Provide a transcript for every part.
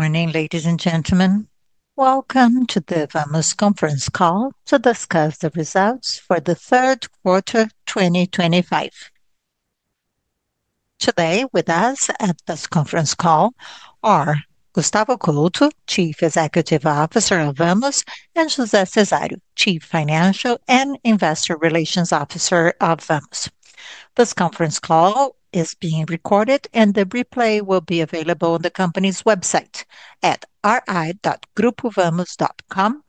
Morning, ladies and gentlemen. Welcome to the Vamos Conference Call to discuss the results for the third quarter 2025. Today with us at this conference call are Gustavo Couto, Chief Executive Officer of Vamos, and José Cesário, Chief Financial and Investor Relations Officer of Vamos. This conference call is being recorded, and the replay will be available on the company's website at ri.grupovamos.com.br.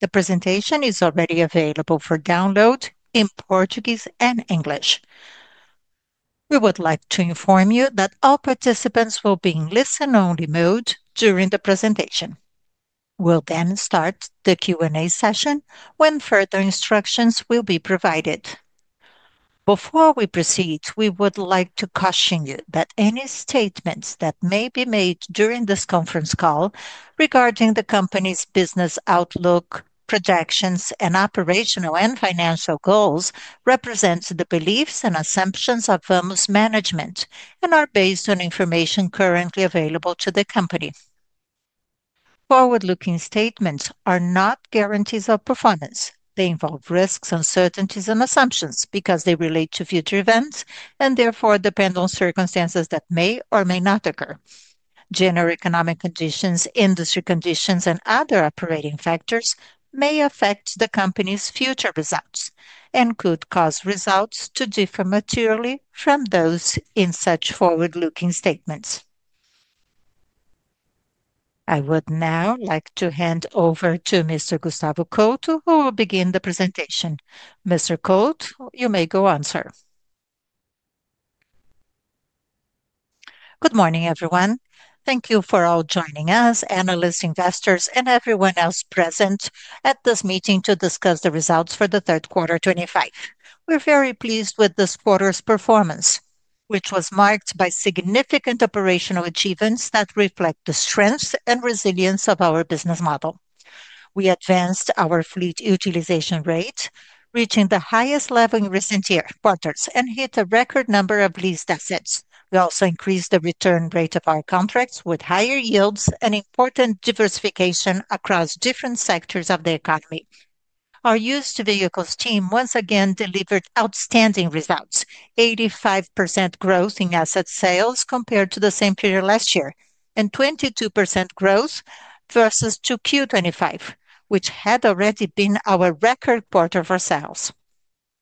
The presentation is already available for download in Portuguese and English. We would like to inform you that all participants will be in listen-only mode during the presentation. We will then start the Q&A session when further instructions will be provided. Before we proceed, we would like to caution you that any statements that may be made during this conference call regarding the company's business outlook, projections, and operational and financial goals represent the beliefs and assumptions of Vamos management and are based on information currently available to the company. Forward-looking statements are not guarantees of performance. They involve risks, uncertainties, and assumptions because they relate to future events and therefore depend on circumstances that may or may not occur. General economic conditions, industry conditions, and other operating factors may affect the company's future results and could cause results to differ materially from those in such forward-looking statements. I would now like to hand over to Mr. Gustavo Couto, who will begin the presentation. Mr. Couto, you may go ahead. Good morning, everyone. Thank you for all joining us, analysts, investors, and everyone else present at this meeting to discuss the results for the third quarter 2025. We're very pleased with this quarter's performance, which was marked by significant operational achievements that reflect the strength and resilience of our business model. We advanced our fleet utilization rate, reaching the highest level in recent quarters and hit a record number of leased assets. We also increased the return rate of our contracts with higher yields and important diversification across different sectors of the economy. Our used vehicles team once again delivered outstanding results: 85% growth in asset sales compared to the same period last year and 22% growth versus Q2025, which had already been our record quarter for sales.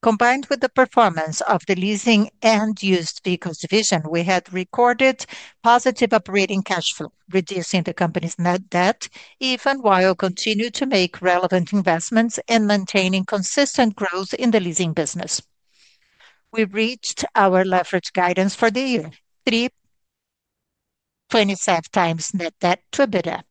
Combined with the performance of the leasing and used vehicles division, we had recorded positive operating cash flow, reducing the company's net debt even while continuing to make relevant investments and maintaining consistent growth in the leasing business. We reached our leverage guidance for the year, 3.25 times net debt to EBITDA.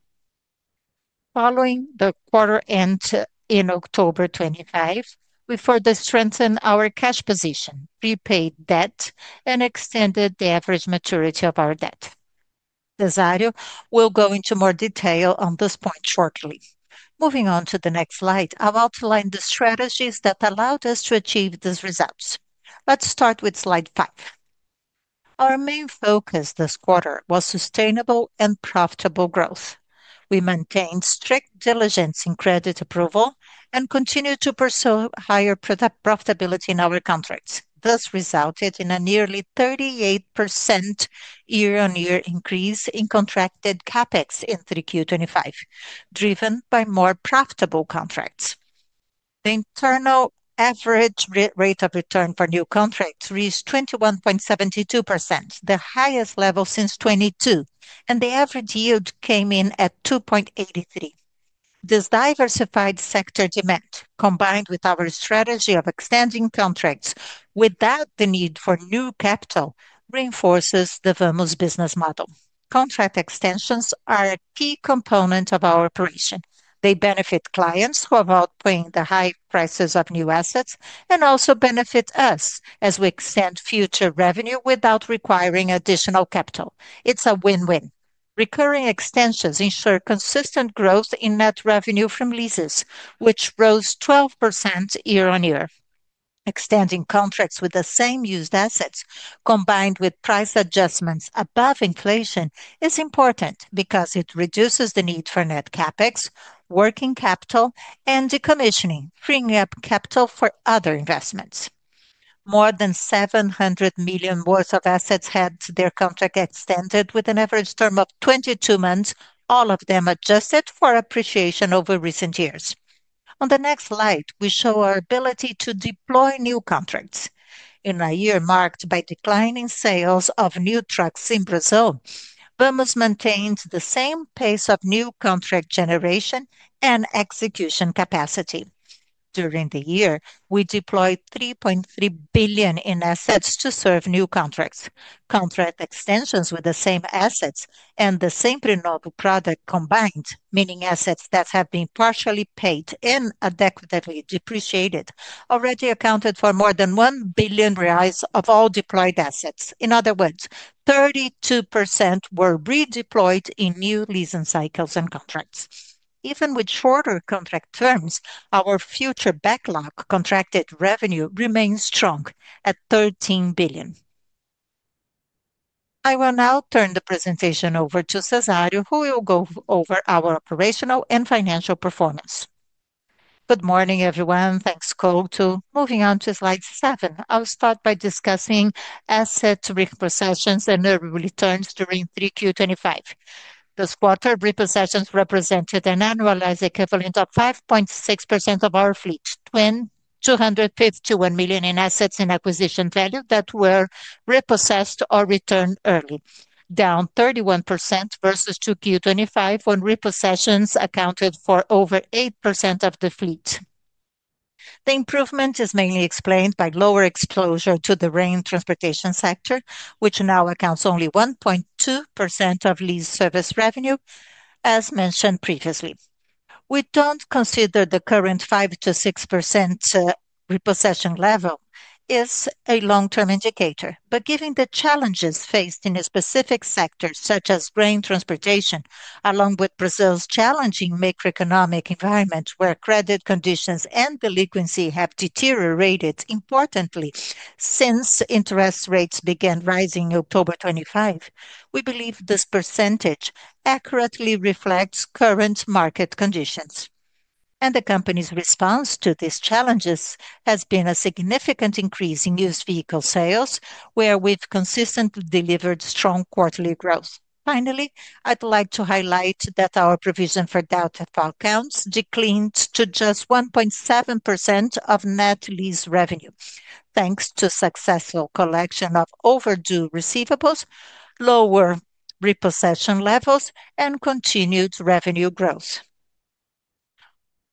Following the quarter end in October 2025, we further strengthened our cash position, repaid debt, and extended the average maturity of our debt. Cesário, we'll go into more detail on this point shortly. Moving on to the next slide, I'll outline the strategies that allowed us to achieve these results. Let's start with slide five. Our main focus this quarter was sustainable and profitable growth. We maintained strict diligence in credit approval and continued to pursue higher profitability in our contracts. This resulted in a nearly 38% year-on-year increase in contracted capex in Q2025, driven by more profitable contracts. The internal average rate of return for new contracts reached 21.72%, the highest level since 2022, and the average yield came in at 2.83%. This diversified sector demand, combined with our strategy of extending contracts without the need for new capital, reinforces the Vamos business model. Contract extensions are a key component of our operation. They benefit clients who are outpaying the high prices of new assets and also benefit us as we extend future revenue without requiring additional capital. It's a win-win. Recurring extensions ensure consistent growth in net revenue from leases, which rose 12% year-on-year. Extending contracts with the same used assets, combined with price adjustments above inflation, is important because it reduces the need for net capex, working capital, and decommissioning, freeing up capital for other investments. More than 700 million worth of assets had their contract extended with an average term of 22 months, all of them adjusted for appreciation over recent years. On the next slide, we show our ability to deploy new contracts. In a year marked by declining sales of new trucks in Brazil, Vamos maintained the same pace of new contract generation and execution capacity. During the year, we deployed 3.3 billion in assets to serve new contracts. Contract extensions with the same assets and the same renewable product combined, meaning assets that have been partially paid and adequately depreciated, already accounted for more than 1 billion reais of all deployed assets. In other words, 32% were redeployed in new leasing cycles and contracts. Even with shorter contract terms, our future backlog contracted revenue remains strong at 13 billion. I will now turn the presentation over to Cesário, who will go over our operational and financial performance. Good morning, everyone. Thanks, Couto. Moving on to slide seven, I'll start by discussing asset repossessions and early returns during Q2025. This quarter, repossessions represented an annualized equivalent of 5.6% of our fleet, totaling 251 million in assets in acquisition value that were repossessed or returned early, down 31% versus Q2024, when repossessions accounted for over 8% of the fleet. The improvement is mainly explained by lower exposure to the grain transportation sector, which now accounts for only 1.2% of lease service revenue, as mentioned previously. We do not consider the current 5%-6% repossession level as a long-term indicator, but given the challenges faced in specific sectors such as grain transportation, along with Brazil's challenging Macroeconomic environment where credit conditions and delinquency have deteriorated importantly since interest rates began rising in October 2025, we believe this percentage accurately reflects current market conditions. The company's response to these challenges has been a significant increase in used vehicle sales, where we have consistently delivered strong quarterly growth. Finally, I would like to highlight that our provision for doubtful accounts declined to just 1.7% of net lease revenue, thanks to successful collection of overdue receivables, lower repossession levels, and continued revenue growth.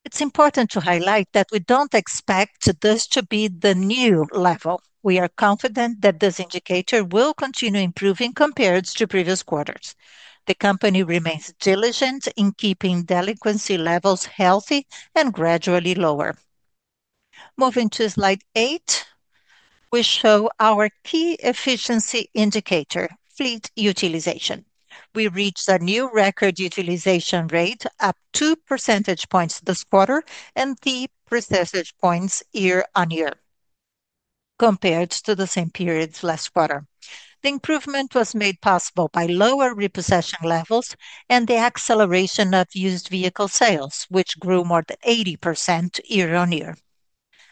It is important to highlight that we do not expect this to be the new level. We are confident that this indicator will continue improving compared to previous quarters. The company remains diligent in keeping delinquency levels healthy and gradually lower. Moving to slide eight, we show our key efficiency indicator, fleet utilization. We reached a new record utilization rate at 2 percentage points this quarter and 3 percentage points year-on-year compared to the same period last quarter. The improvement was made possible by lower repossession levels and the acceleration of used vehicle sales, which grew more than 80% year-on-year.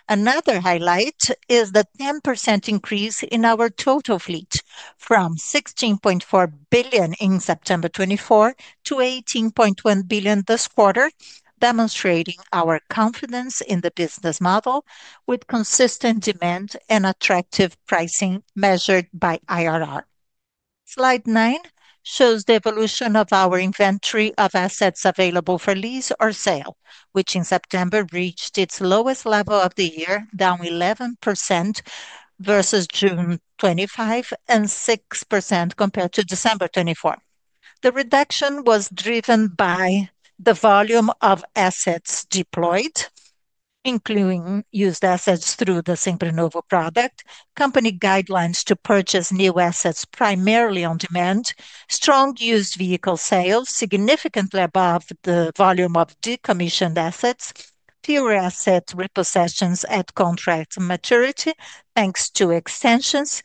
Another highlight is the 10% increase in our total fleet from 16.4 billion in September 2024 to 18.1 billion this quarter, demonstrating our confidence in the business model with consistent demand and attractive pricing measured by IRR. Slide nine shows the evolution of our inventory of assets available for lease or sale, which in September reached its lowest level of the year, down 11% versus June 2025 and 6% compared to December 2024. The reduction was driven by the volume of assets deployed, including used assets through the Sempre Novo product, company guidelines to purchase new assets primarily on demand, strong used vehicle sales significantly above the volume of decommissioned assets, fewer asset repossessions at contract maturity thanks to extensions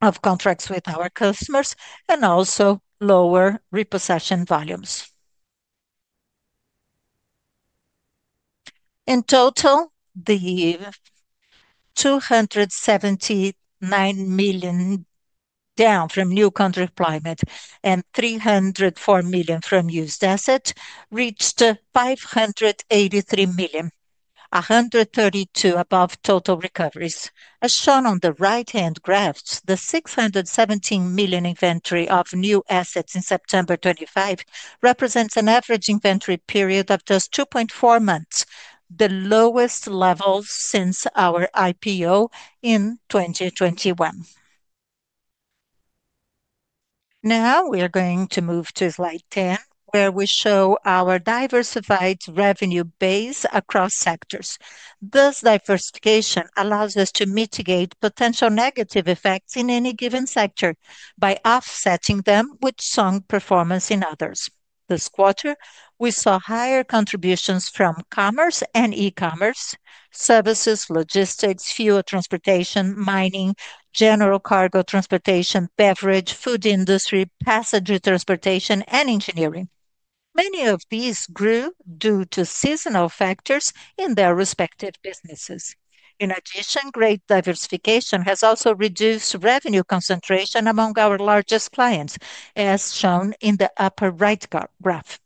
of contracts with our customers, and also lower repossession volumes. In total, the 279 million down from new contract climate and 304 million from used assets reached 583 million, 132 million above total recoveries. As shown on the right-hand graphs, the 617 million inventory of new assets in September 2025 represents an average inventory period of just 2.4 months, the lowest level since our IPO in 2021. Now we are going to move to slide 10, where we show our diversified revenue base across sectors. This diversification allows us to mitigate potential negative effects in any given sector by offsetting them with strong performance in others. This quarter, we saw higher contributions from commerce and e-commerce, services, logistics, fuel transportation, mining, general cargo transportation, beverage, food industry, passenger transportation, and engineering. Many of these grew due to seasonal factors in their respective businesses. In addition, great diversification has also reduced revenue concentration among our largest clients, as shown in the upper right graph.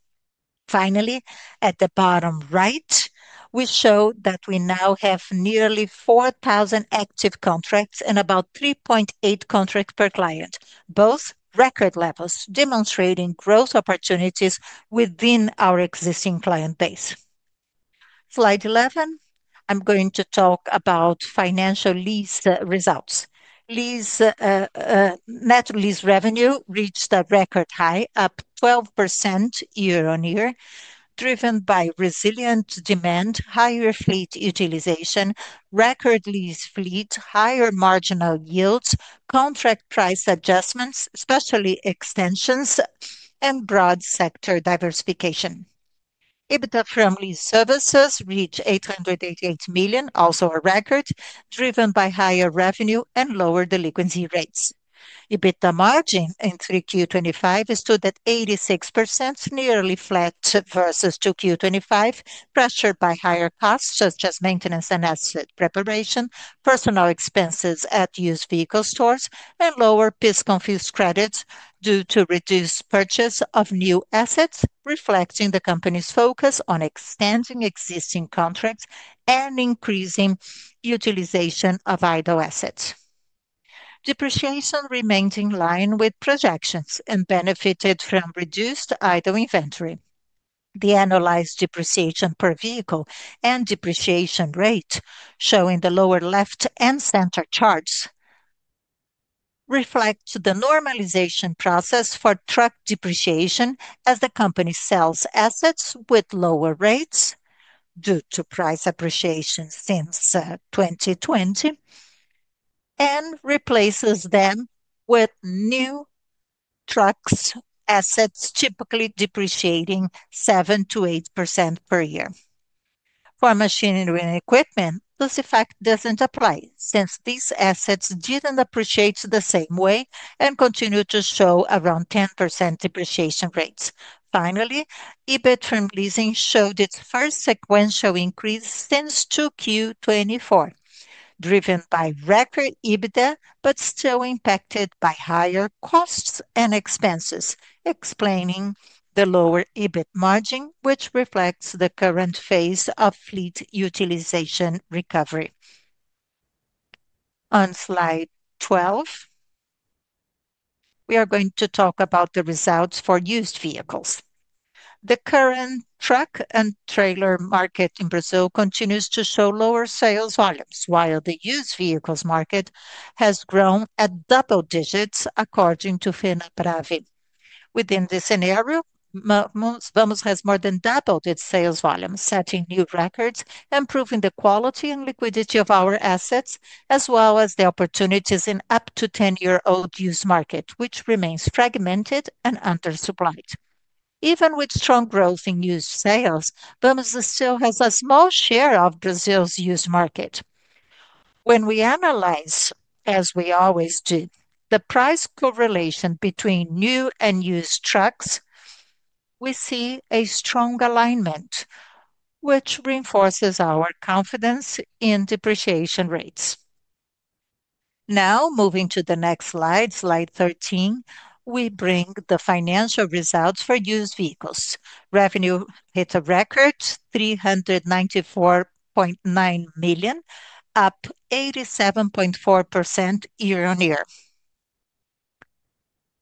Finally, at the bottom right, we show that we now have nearly 4,000 active contracts and about 3.8 contracts per client, both record levels demonstrating growth opportunities within our existing client base. Slide 11, I'm going to talk about financial lease results. Net lease revenue reached a record high, up 12% year-on-year, driven by resilient demand, higher fleet utilization, record lease fleet, higher marginal yields, contract price adjustments, specialty extensions, and broad sector diversification. EBITDA from lease services reached 888 million, also a record, driven by higher revenue and lower delinquency rates. EBITDA margin in Q2 2025 stood at 86%, nearly flat versus Q2 2024, pressured by higher costs such as maintenance and asset preparation, personnel expenses at used vehicle stores, and lower business confusion credits due to reduced purchase of new assets, reflecting the company's focus on extending existing contracts and increasing utilization of idle assets. Depreciation remained in line with projections and benefited from reduced idle inventory. The analyzed depreciation per vehicle and depreciation rate, shown in the lower left and center charts, reflect the normalization process for truck depreciation as the company sells assets with lower rates due to price appreciation since 2020 and replaces them with new trucks, assets typically depreciating 7%-8% per year. For machinery and equipment, this effect doesn't apply since these assets didn't appreciate the same way and continue to show around 10% depreciation rates. Finally, EBIT from leasing showed its first sequential increase since Q2024, driven by record EBITDA but still impacted by higher costs and expenses, explaining the lower EBIT margin, which reflects the current phase of fleet utilization recovery. On slide 12, we are going to talk about the results for used vehicles. The current truck and trailer market in Brazil continues to show lower sales volumes, while the used vehicles market has grown at double digits, according to Fenabrave. Within this scenario, Vamos has more than doubled its sales volumes, setting new records and proving the quality and liquidity of our assets, as well as the opportunities in up to 10-year-old used market, which remains fragmented and undersupplied. Even with strong growth in used sales, Vamos still has a small share of Brazil's used market. When we analyze, as we always do, the price correlation between new and used trucks, we see a strong alignment, which reinforces our confidence in depreciation rates. Now, moving to the next slide, slide 13, we bring the financial results for used vehicles. Revenue hit a record, 394.9 million, up 87.4% year-on-year.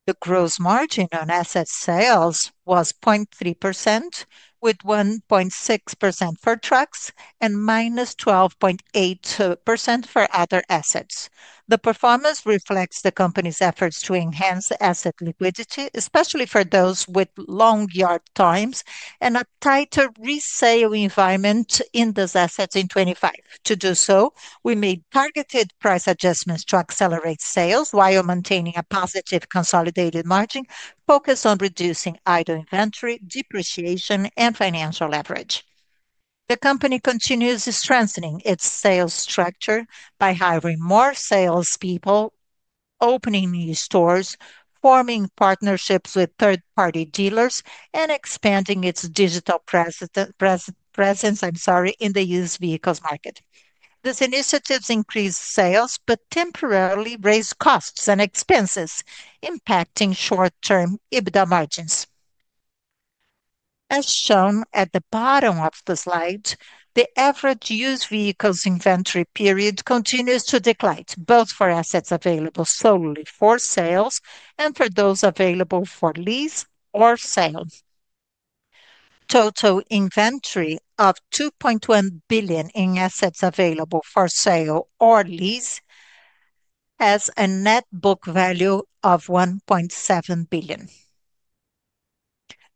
The gross margin on asset sales was 0.3%, with 1.6% for trucks and minus 12.8% for other assets. The performance reflects the company's efforts to enhance asset liquidity, especially for those with long yard times and a tighter resale environment in those assets in 2025. To do so, we made targeted price adjustments to accelerate sales while maintaining a positive consolidated margin focused on reducing idle inventory, depreciation, and financial leverage. The company continues strengthening its sales structure by hiring more salespeople, opening new stores, forming partnerships with third-party dealers, and expanding its digital presence, I'm sorry, in the used vehicles market. These initiatives increase sales but temporarily raise costs and expenses, impacting short-term EBITDA margins. As shown at the bottom of the slide, the average used vehicles inventory period continues to decline, both for assets available solely for sales and for those available for lease or sale. Total inventory of 2.1 billion in assets available for sale or lease has a net book value of 1.7 billion.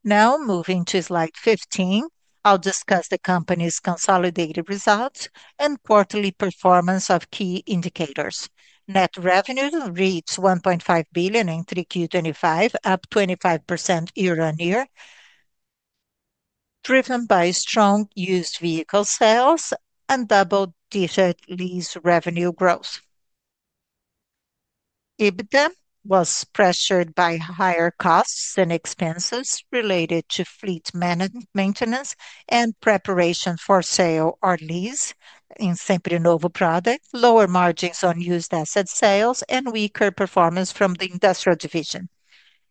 Now, moving to slide 15, I'll discuss the company's consolidated results and quarterly performance of key indicators. Net revenue reached 1.5 billion in Q2025, up 25% year-on-year, driven by strong used vehicle sales and double-digit lease revenue growth. EBITDA was pressured by higher costs and expenses related to fleet maintenance and preparation for sale or lease in Sempre Novo product, lower margins on used asset sales, and weaker performance from the industrial division.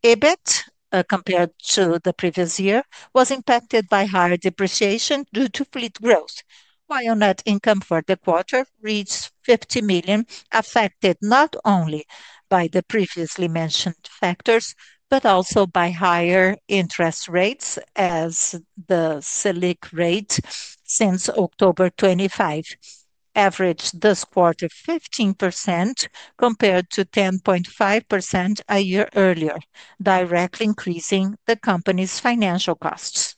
EBIT, compared to the previous year, was impacted by higher depreciation due to fleet growth, while net income for the quarter reached 50 million, affected not only by the previously mentioned factors but also by higher interest rates as the Selic rate since October 2023 averaged this quarter 15% compared to 10.5% a year earlier, directly increasing the company's financial costs.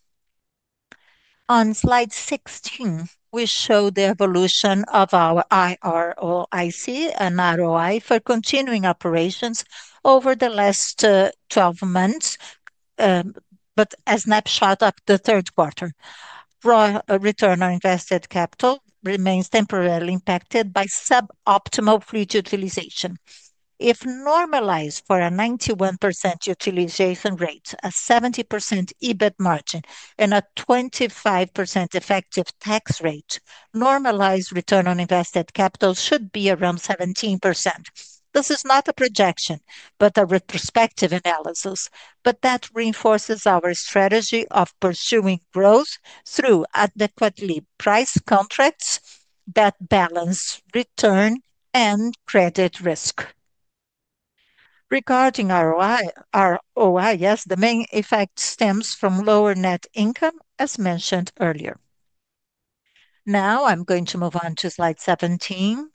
On slide 16, we show the evolution of our IROIC and ROI for continuing operations over the last 12 months, but a snapshot of the third quarter. ROI, return on invested capital, remains temporarily impacted by suboptimal fleet utilization. If normalized for a 91% utilization rate, a 70% EBIT margin, and a 25% effective tax rate, normalized return on invested capital should be around 17%. This is not a projection but a retrospective analysis, but that reinforces our strategy of pursuing growth through adequately priced contracts that balance return and credit risk. Regarding ROI, yes, the main effect stems from lower net income, as mentioned earlier. Now I'm going to move on to slide 17,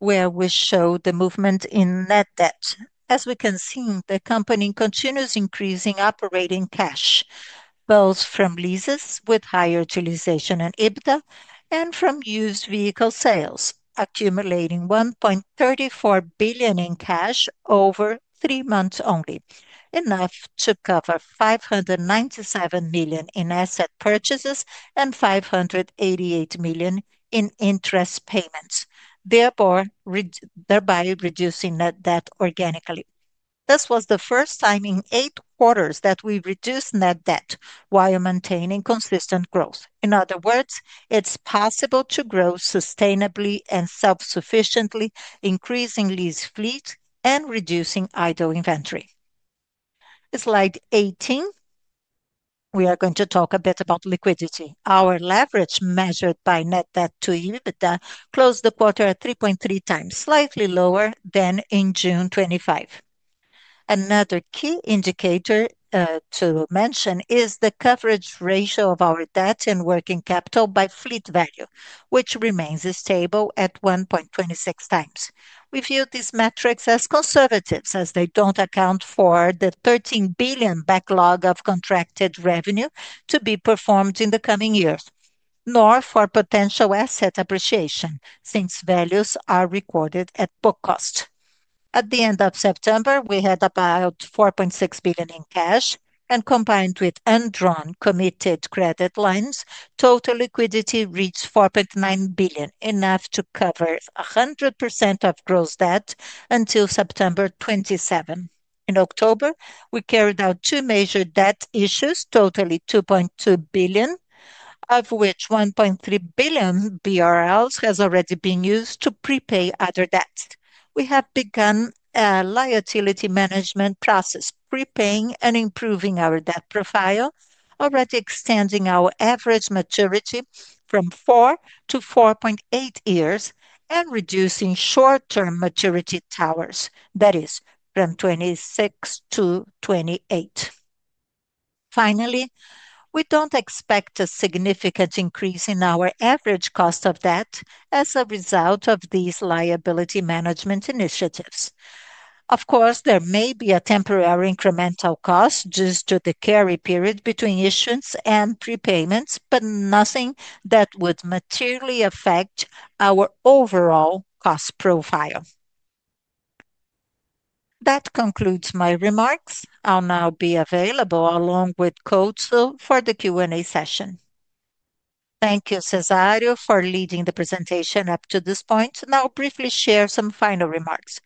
where we show the movement in net debt. As we can see, the company continues increasing operating cash, both from leases with higher utilization and EBITDA, and from used vehicle sales, accumulating BRL 1.34 billion in cash over three months only, enough to cover BRL 597 million in asset purchases and BRL 588 million in interest payments, thereby reducing net debt organically. This was the first time in eight quarters that we reduced net debt while maintaining consistent growth. In other words, it's possible to grow sustainably and self-sufficiently, increasing lease fleet and reducing idle inventory. Slide 18, we are going to talk a bit about liquidity. Our leverage measured by net debt to EBITDA closed the quarter at 3.3 times, slightly lower than in June 2025. Another key indicator to mention is the coverage ratio of our debt and working capital by fleet value, which remains stable at 1.26 times. We view these metrics as conservative, as they do not account for the 13 billion backlog of contracted revenue to be performed in the coming years, nor for potential asset appreciation since values are recorded at book cost. At the end of September, we had about 4.6 billion in cash, and combined with undrawn committed credit lines, total liquidity reached 4.9 billion, enough to cover 100% of gross debt until September 2027. In October, we carried out two major debt issues, totaling 2.2 billion, of which 1.3 billion BRL has already been used to prepay other debts. We have begun a liability management process, prepaying and improving our debt profile, already extending our average maturity from 4 to 4.8 years and reducing short-term maturity towers, that is, from 26 to 28. Finally, we do not expect a significant increase in our average cost of debt as a result of these liability management initiatives. Of course, there may be a temporary incremental cost due to the carry period between issuance and prepayments, but nothing that would materially affect our overall cost profile. That concludes my remarks. I will now be available along with Couto for the Q&A session. Thank you, Cesário, for leading the presentation up to this point. Now, I will briefly share some final remarks.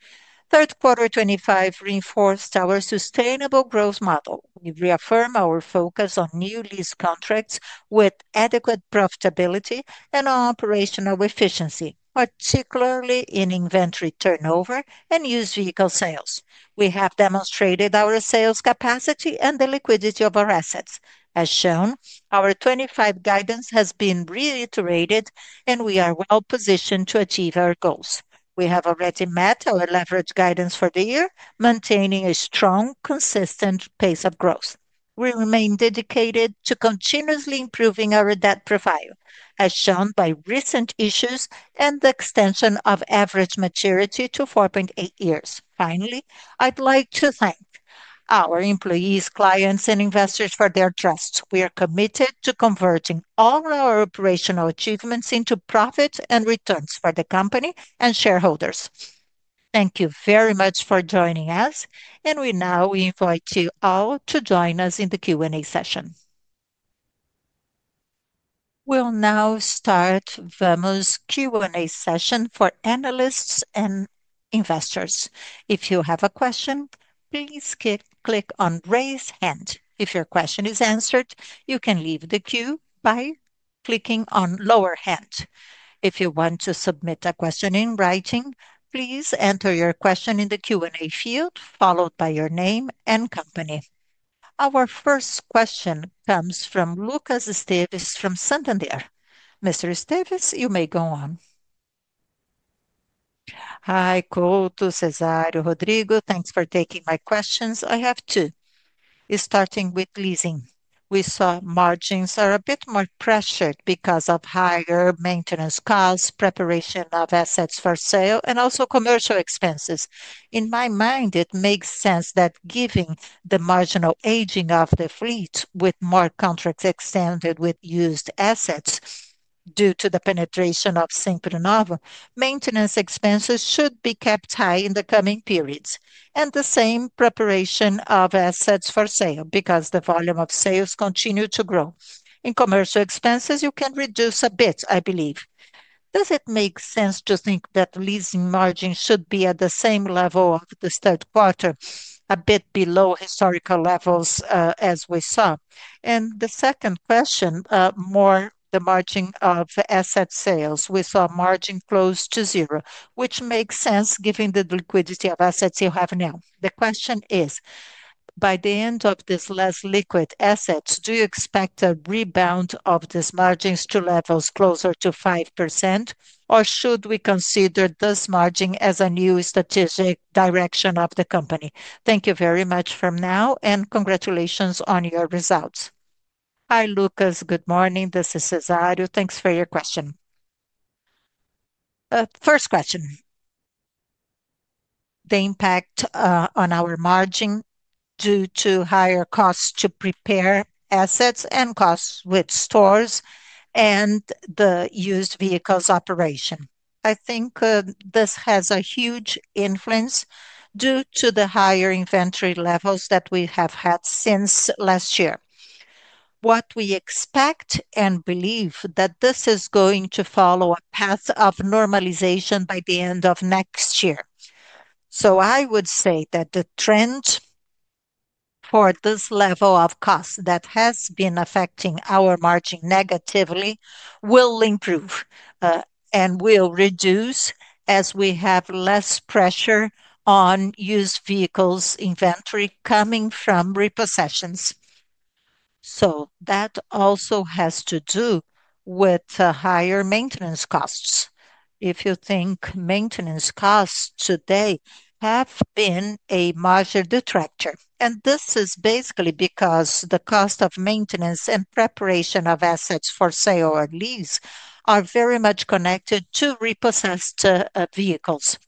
Third quarter 2025 reinforced our sustainable growth model. We reaffirm our focus on new lease contracts with adequate profitability and operational efficiency, particularly in inventory turnover and used vehicle sales. We have demonstrated our sales capacity and the liquidity of our assets. As shown, our 2025 guidance has been reiterated, and we are well positioned to achieve our goals. We have already met our leverage guidance for the year, maintaining a strong, consistent pace of growth. We remain dedicated to continuously improving our debt profile, as shown by recent issues and the extension of average maturity to 4.8 years. Finally, I'd like to thank our employees, clients, and investors for their trust. We are committed to converting all our operational achievements into profits and returns for the company and shareholders. Thank you very much for joining us, and we now invite you all to join us in the Q&A session. We'll now start Vamos Q&A session for analysts and investors. If you have a question, please click on raise hand. If your question is answered, you can leave the queue by clicking on lower hand. If you want to submit a question in writing, please enter your question in the Q&A field, followed by your name and company. Our first question comes from Lucas Esteves from Santander. Mr. Esteves, you may go on. Hi, Couto, Cesário, Rodrigo. Thanks for taking my questions. I have two. Starting with leasing, we saw margins are a bit more pressured because of higher maintenance costs, preparation of assets for sale, and also commercial expenses. In my mind, it makes sense that given the marginal aging of the fleet with more contracts extended with used assets due to the penetration of Sempre Novo, maintenance expenses should be kept high in the coming periods, and the same preparation of assets for sale because the volume of sales continues to grow. In commercial expenses, you can reduce a bit, I believe. Does it make sense to think that leasing margins should be at the same level of the third quarter, a bit below historical levels as we saw? The second question, more the margin of asset sales, we saw margin close to zero, which makes sense given the liquidity of assets you have now. The question is, by the end of this less liquid asset, do you expect a rebound of these margins to levels closer to 5%, or should we consider this margin as a new strategic direction of the company? Thank you very much for now, and congratulations on your results. Hi, Lucas. Good morning. This is Cesário. Thanks for your question. First question, the impact on our margin due to higher costs to prepare assets and costs with stores and the used vehicles operation. I think this has a huge influence due to the higher inventory levels that we have had since last year. What we expect and believe that this is going to follow a path of normalization by the end of next year. I would say that the trend for this level of cost that has been affecting our margin negatively will improve and will reduce as we have less pressure on used vehicles inventory coming from repossessions. That also has to do with higher maintenance costs. If you think maintenance costs today have been a major detractor, and this is basically because the cost of maintenance and preparation of assets for sale or lease are very much connected to repossessed vehicles.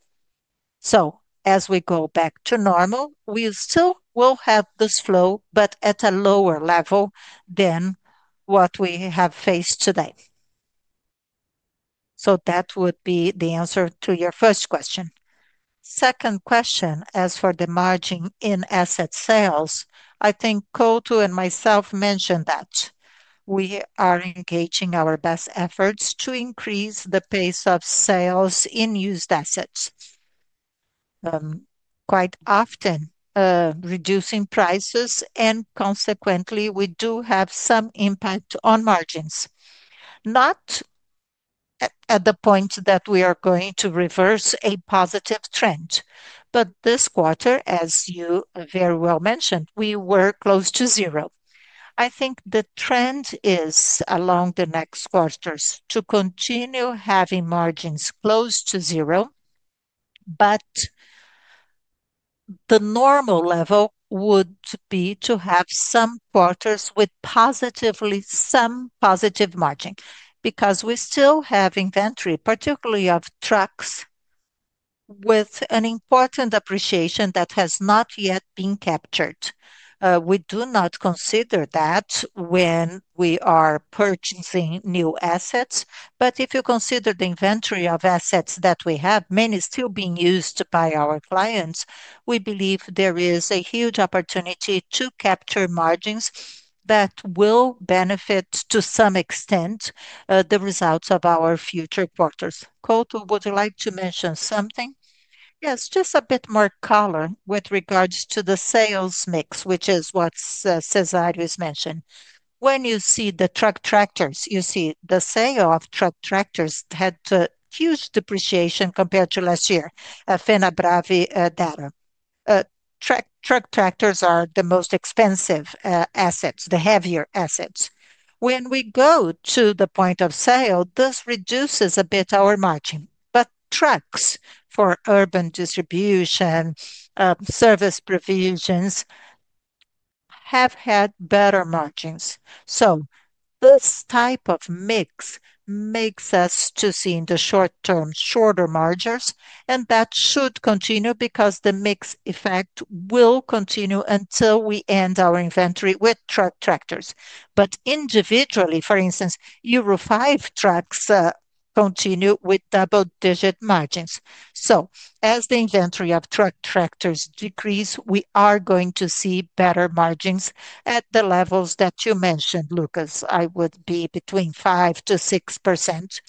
As we go back to normal, we still will have this flow, but at a lower level than what we have faced today. That would be the answer to your first question. Second question, as for the margin in asset sales, I think Couto and myself mentioned that we are engaging our best efforts to increase the pace of sales in used assets. Quite often, reducing prices and consequently, we do have some impact on margins. Not at the point that we are going to reverse a positive trend, but this quarter, as you very well mentioned, we were close to zero. I think the trend is along the next quarters to continue having margins close to zero, but the normal level would be to have some quarters with positively some positive margin because we still have inventory, particularly of trucks with an important appreciation that has not yet been captured. We do not consider that when we are purchasing new assets, but if you consider the inventory of assets that we have, many still being used by our clients, we believe there is a huge opportunity to capture margins that will benefit to some extent the results of our future quarters. Couto, would you like to mention something? Yes, just a bit more color with regards to the sales mix, which is what Cesário has mentioned. When you see the truck tractors, you see the sale of truck tractors had a huge depreciation compared to last year, a Fenabrave data. Truck tractors are the most expensive assets, the heavier assets. When we go to the point of sale, this reduces a bit our margin, but trucks for urban distribution, service provisions have had better margins. This type of mix makes us to see in the short term, shorter margins, and that should continue because the mix effect will continue until we end our inventory with truck tractors. Individually, for instance, BRL 5 trucks continue with double digit margins. As the inventory of truck tractors decrease, we are going to see better margins at the levels that you mentioned, Lucas. I would be between 5% and 6%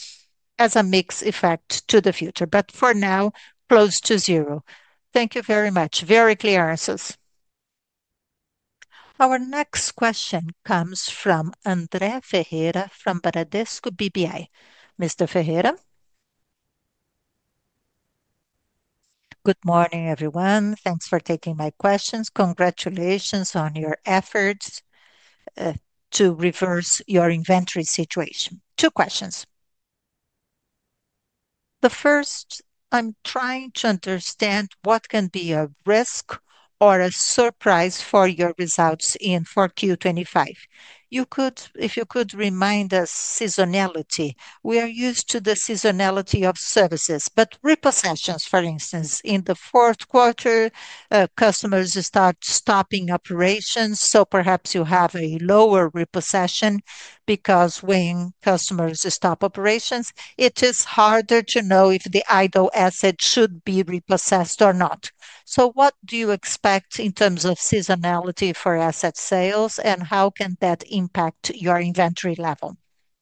as a mix effect to the future, but for now, close to zero. Thank you very much. Very clear, Arces. Our next question comes from André Ferreira from Bradesco BBI. Mr. Ferreira, good morning, everyone. Thanks for taking my questions. Congratulations on your efforts to reverse your inventory situation. Two questions. The first, I'm trying to understand what can be a risk or a surprise for your results in for Q25. If you could remind us of seasonality. We are used to the seasonality of services, but repossessions, for instance, in the fourth quarter, customers start stopping operations, so perhaps you have a lower repossession because when customers stop operations, it is harder to know if the idle asset should be repossessed or not. What do you expect in terms of seasonality for asset sales, and how can that impact your inventory level?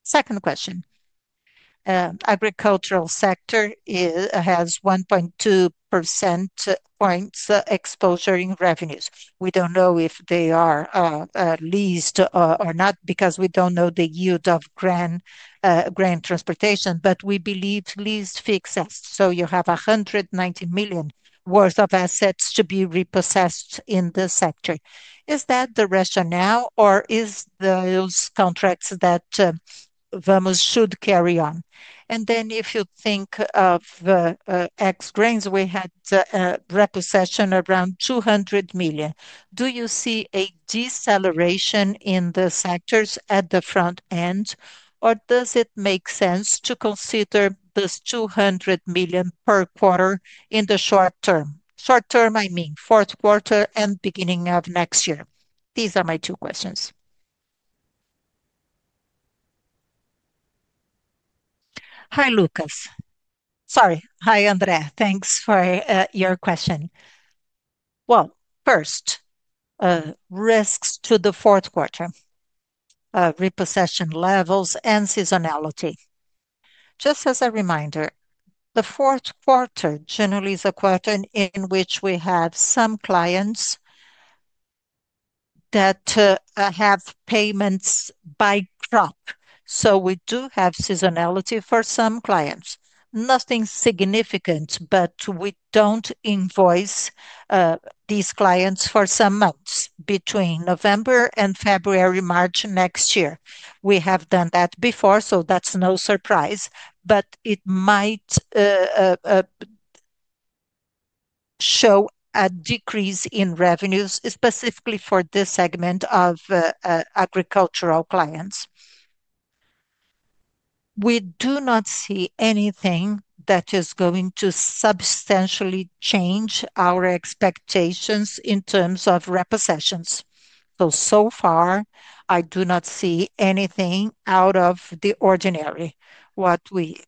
Second question, agricultural sector has 1.2 percentage points exposure in revenues. We do not know if they are leased or not because we do not know the yield of grain transportation, but we believe lease fixes. You have 190 million worth of assets to be repossessed in the sector. Is that the rationale or are those contracts that Vamos should carry on? If you think of ex-grains, we had repossession around 200 million. Do you see a deceleration in the sectors at the front end, or does it make sense to consider this 200 million per quarter in the short term? Short term, I mean fourth quarter and beginning of next year. These are my two questions. Hi, Lucas. Sorry. Hi, André. Thanks for your question. First, risks to the fourth quarter, repossession levels, and seasonality. Just as a reminder, the fourth quarter generally is a quarter in which we have some clients that have payments by drop. We do have seasonality for some clients. Nothing significant, but we do not invoice these clients for some months between November and February, March next year. We have done that before, so that is no surprise, but it might show a decrease in revenues specifically for this segment of agricultural clients. We do not see anything that is going to substantially change our expectations in terms of repossessions. So far, I do not see anything out of the ordinary. What we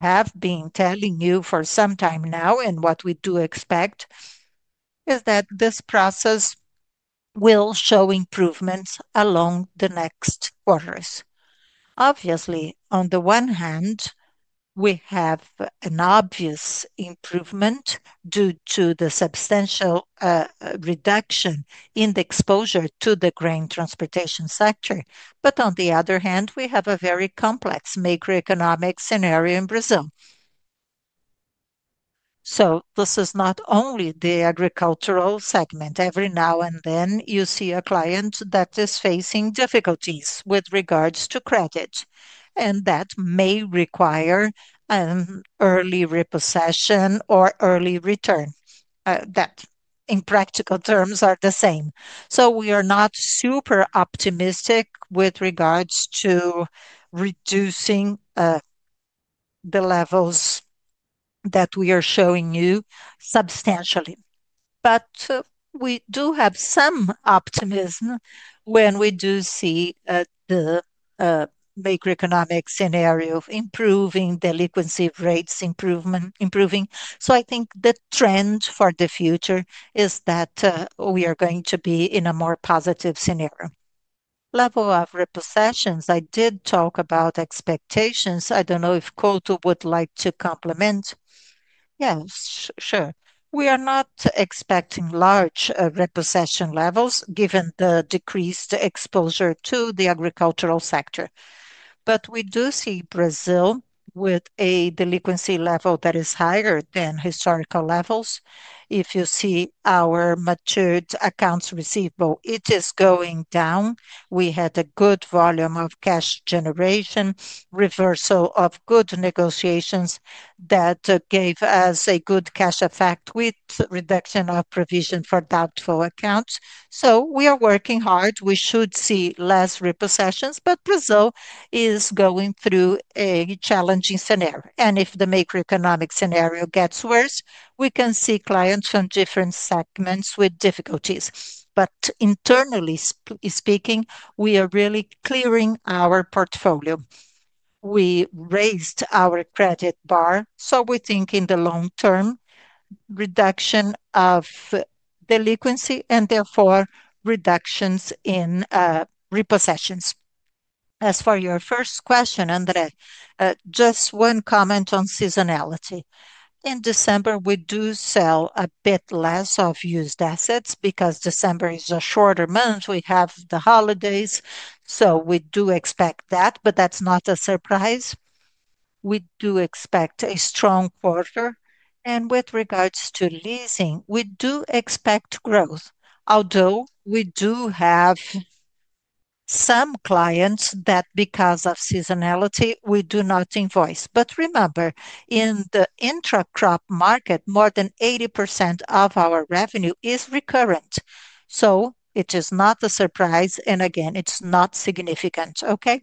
have been telling you for some time now and what we do expect is that this process will show improvements along the next quarters. Obviously, on the one hand, we have an obvious improvement due to the substantial reduction in the exposure to the grain transportation sector, but on the other hand, we have a very complex macroeconomic scenario in Brazil. This is not only the agricultural segment. Every now and then, you see a client that is facing difficulties with regards to credit, and that may require an early repossession or early return. That, in practical terms, are the same. We are not super optimistic with regards to reducing the levels that we are showing you substantially, but we do have some optimism when we do see the macroeconomic scenario of improving delinquency rates improving. I think the trend for the future is that we are going to be in a more positive scenario. Level of repossessions, I did talk about expectations. I do not know if Couto would like to complement. Yes, sure. We are not expecting large repossession levels given the decreased exposure to the agricultural sector, but we do see Brazil with a delinquency level that is higher than historical levels. If you see our matured accounts receivable, it is going down. We had a good volume of cash generation, reversal of good negotiations that gave us a good cash effect with reduction of provision for doubtful accounts. We are working hard. We should see less repossessions, but Brazil is going through a challenging scenario. If the Macroeconomic scenario gets worse, we can see clients from different segments with difficulties. Internally speaking, we are really clearing our portfolio. We raised our credit bar, so we think in the long term, reduction of delinquency and therefore reductions in repossessions. As for your first question, André, just one comment on seasonality. In December, we do sell a bit less of used assets because December is a shorter month. We have the holidays, so we do expect that, but that's not a surprise. We do expect a strong quarter. With regards to leasing, we do expect growth, although we do have some clients that because of seasonality, we do not invoice. Remember, in the intra-crop market, more than 80% of our revenue is recurrent. It is not a surprise, and again, it's not significant, okay?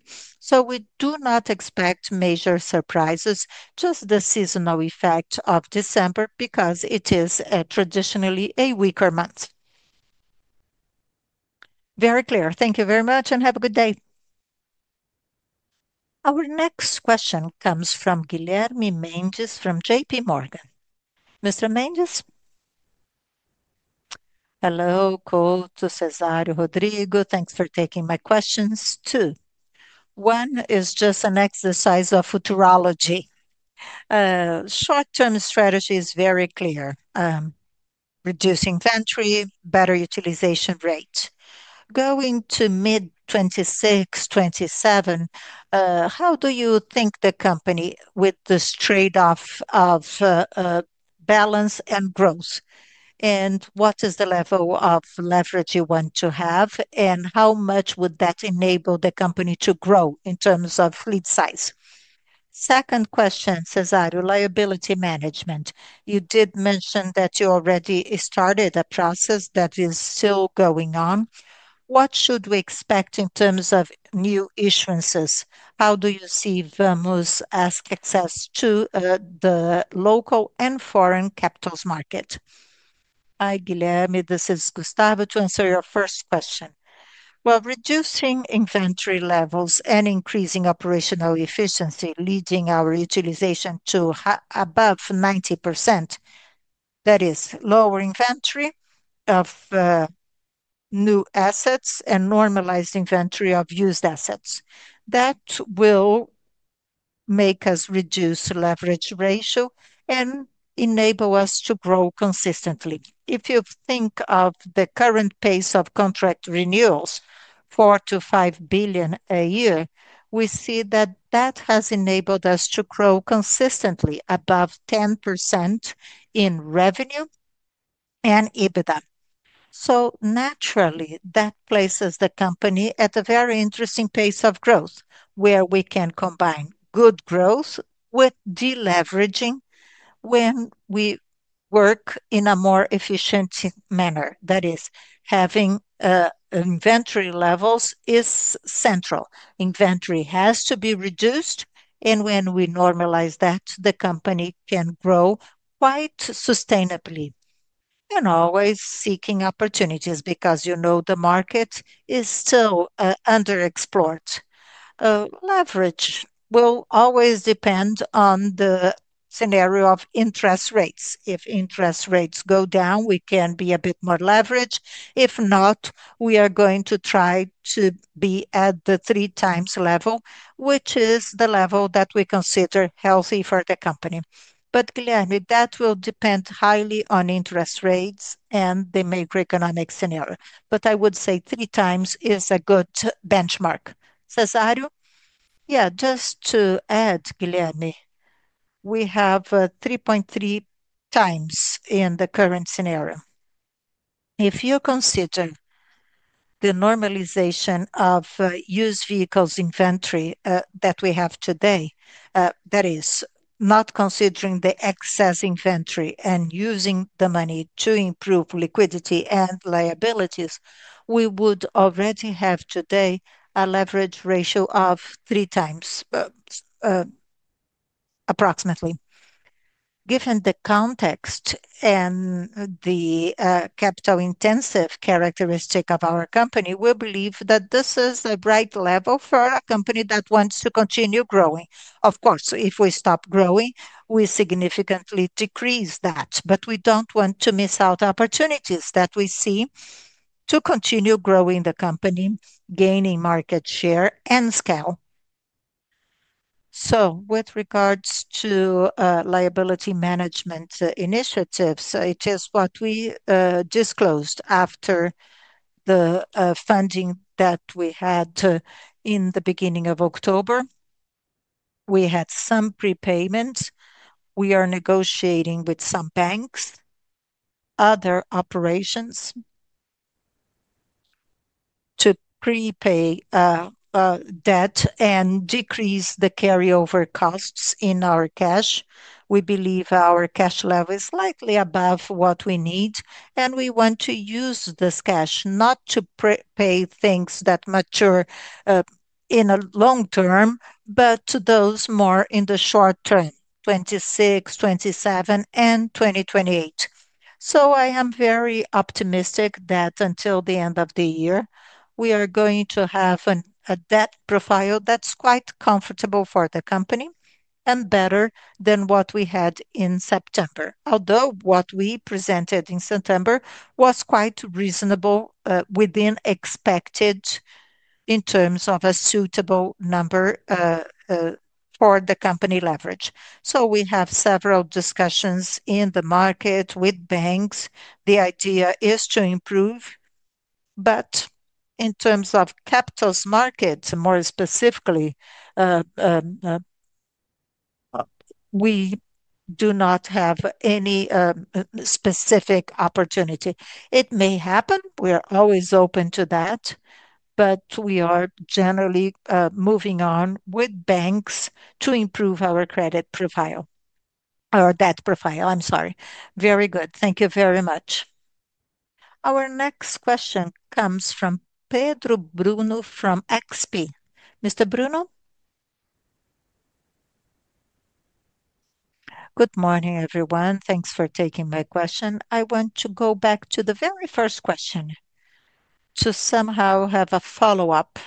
We do not expect major surprises, just the seasonal effect of December because it is traditionally a weaker month. Very clear. Thank you very much and have a good day. Our next question comes from Guilherme Mendes from JP Morgan. Mr. Mendes? Hello, Couto, Cesário Rodrigo. Thanks for taking my questions too. One is just an exercise of futurology. Short-term strategy is very clear. Reduce inventory, better utilization rate. Going to mid-2026, 2027, how do you think the company with this trade-off of balance and growth? What is the level of leverage you want to have? How much would that enable the company to grow in terms of fleet size? Second question, Cesário, liability management. You did mention that you already started a process that is still going on. What should we expect in terms of new issuances? How do you see Vamos's access to the local and foreign capital market? Hi, Guilherme. This is Gustavo to answer your first question. Reducing inventory levels and increasing operational efficiency, leading our utilization to above 90%, that is lower inventory of new assets and normalized inventory of used assets. That will make us reduce leverage ratio and enable us to grow consistently. If you think of the current pace of contract renewals, 4 billion to 5 billion a year, we see that that has enabled us to grow consistently above 10% in revenue and EBITDA. Naturally, that places the company at a very interesting pace of growth where we can combine good growth with deleveraging when we work in a more efficient manner. That is, having inventory levels is central. Inventory has to be reduced, and when we normalize that, the company can grow quite sustainably and always seeking opportunities because you know the market is still underexplored. Leverage will always depend on the scenario of interest rates. If interest rates go down, we can be a bit more leverage. If not, we are going to try to be at the three times level, which is the level that we consider healthy for the company. Guilherme, that will depend highly on interest rates and the macroeconomic scenario. I would say three times is a good benchmark. Cesário, yeah, just to add, Guilherme, we have 3.3 times in the current scenario. If you consider the normalization of used vehicles inventory that we have today, that is not considering the excess inventory and using the money to improve liquidity and liabilities, we would already have today a leverage ratio of three times approximately. Given the context and the capital-intensive characteristic of our company, we believe that this is a bright level for a company that wants to continue growing. Of course, if we stop growing, we significantly decrease that, but we do not want to miss out opportunities that we see to continue growing the company, gaining market share and scale. With regards to liability management initiatives, it is what we disclosed after the funding that we had in the beginning of October. We had some prepayments. We are negotiating with some banks, other operations to prepay debt and decrease the carry-over costs in our cash. We believe our cash level is slightly above what we need, and we want to use this cash not to pay things that mature in the long term, but to those more in the short term, 2026, 2027, and 2028. I am very optimistic that until the end of the year, we are going to have a debt profile that is quite comfortable for the company and better than what we had in September, although what we presented in September was quite reasonable within expected in terms of a suitable number for the company leverage. We have several discussions in the market with banks. The idea is to improve, but in terms of capital markets, more specifically, we do not have any specific opportunity. It may happen. We are always open to that, but we are generally moving on with banks to improve our credit profile or debt profile. I'm sorry. Very good. Thank you very much. Our next question comes from Pedro Bruno from XP. Mr. Bruno? Good morning, everyone. Thanks for taking my question. I want to go back to the very first question to somehow have a follow-up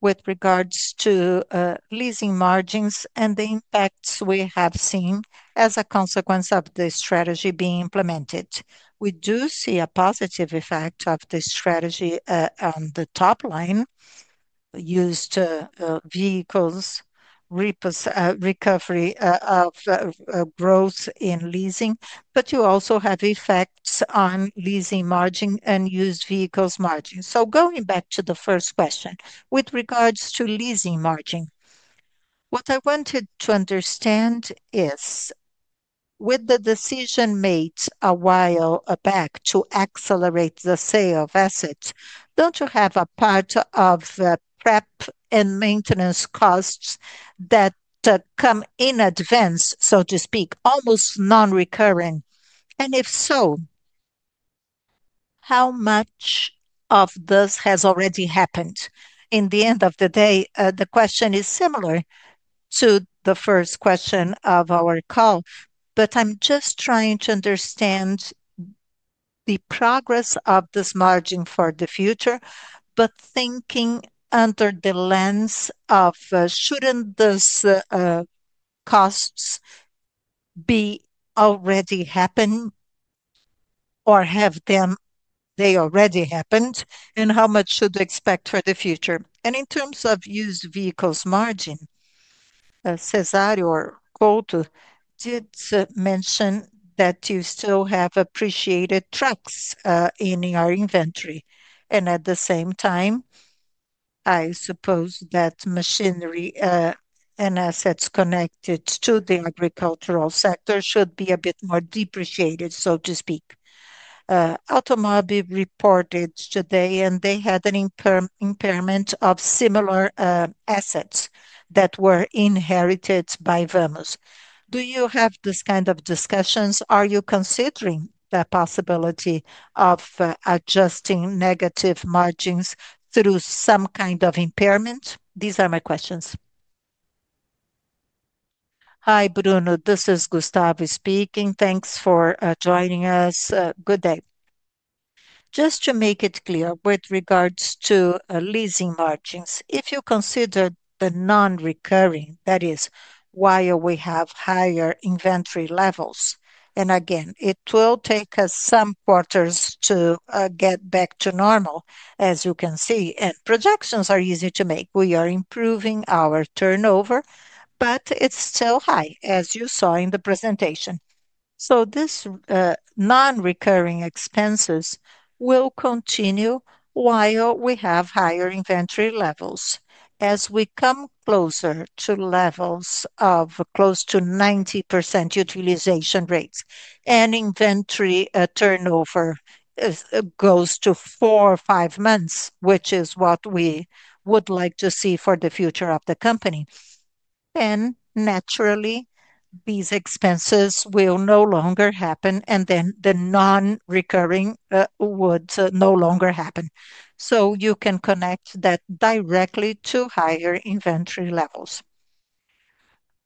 with regards to leasing margins and the impacts we have seen as a consequence of the strategy being implemented. We do see a positive effect of the strategy on the top line, used vehicles recovery of growth in leasing, but you also have effects on leasing margin and used vehicles margin. Going back to the first question, with regards to leasing margin, what I wanted to understand is with the decision made a while back to accelerate the sale of assets, do not you have a part of the prep and maintenance costs that come in advance, so to speak, almost non-recurring? If so, how much of this has already happened? In the end of the day, the question is similar to the first question of our call, but I'm just trying to understand the progress of this margin for the future, but thinking under the lens of shouldn't these costs be already happening or have they already happened and how much should we expect for the future? In terms of used vehicles margin, Cesário or Couto did mention that you still have appreciated trucks in our inventory. At the same time, I suppose that machinery and assets connected to the agricultural sector should be a bit more depreciated, so to speak. Automobile reported today, and they had an impairment of similar assets that were inherited by Vamos. Do you have this kind of discussions? Are you considering the possibility of adjusting negative margins through some kind of impairment? These are my questions. Hi, Bruno. This is Gustavo speaking. Thanks for joining us. Good day. Just to make it clear with regards to leasing margins, if you consider the non-recurring, that is, while we have higher inventory levels, and again, it will take us some quarters to get back to normal, as you can see, and projections are easy to make. We are improving our turnover, but it's still high, as you saw in the presentation. These non-recurring expenses will continue while we have higher inventory levels. As we come closer to levels of close to 90% utilization rates and inventory turnover goes to four or five months, which is what we would like to see for the future of the company. Naturally, these expenses will no longer happen, and then the non-recurring would no longer happen. You can connect that directly to higher inventory levels.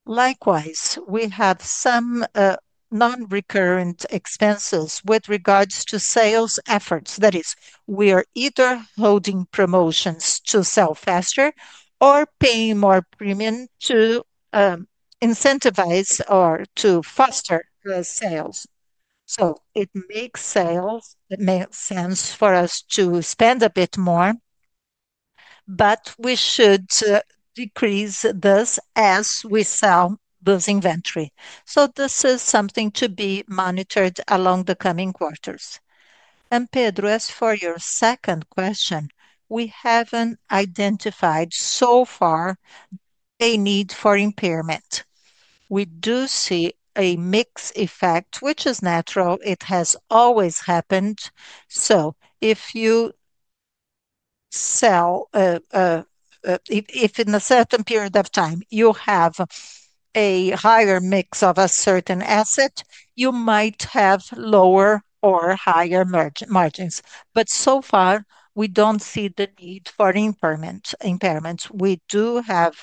Likewise, we have some non-recurrent expenses with regards to sales efforts. That is, we are either holding promotions to sell faster or paying more premium to incentivize or to foster the sales. It makes sense for us to spend a bit more, but we should decrease this as we sell this inventory. This is something to be monitored along the coming quarters. Pedro, as for your second question, we have not identified so far a need for impairment. We do see a mixed effect, which is natural. It has always happened. If you sell, if in a certain period of time you have a higher mix of a certain asset, you might have lower or higher margins. So far, we do not see the need for impairments. We do have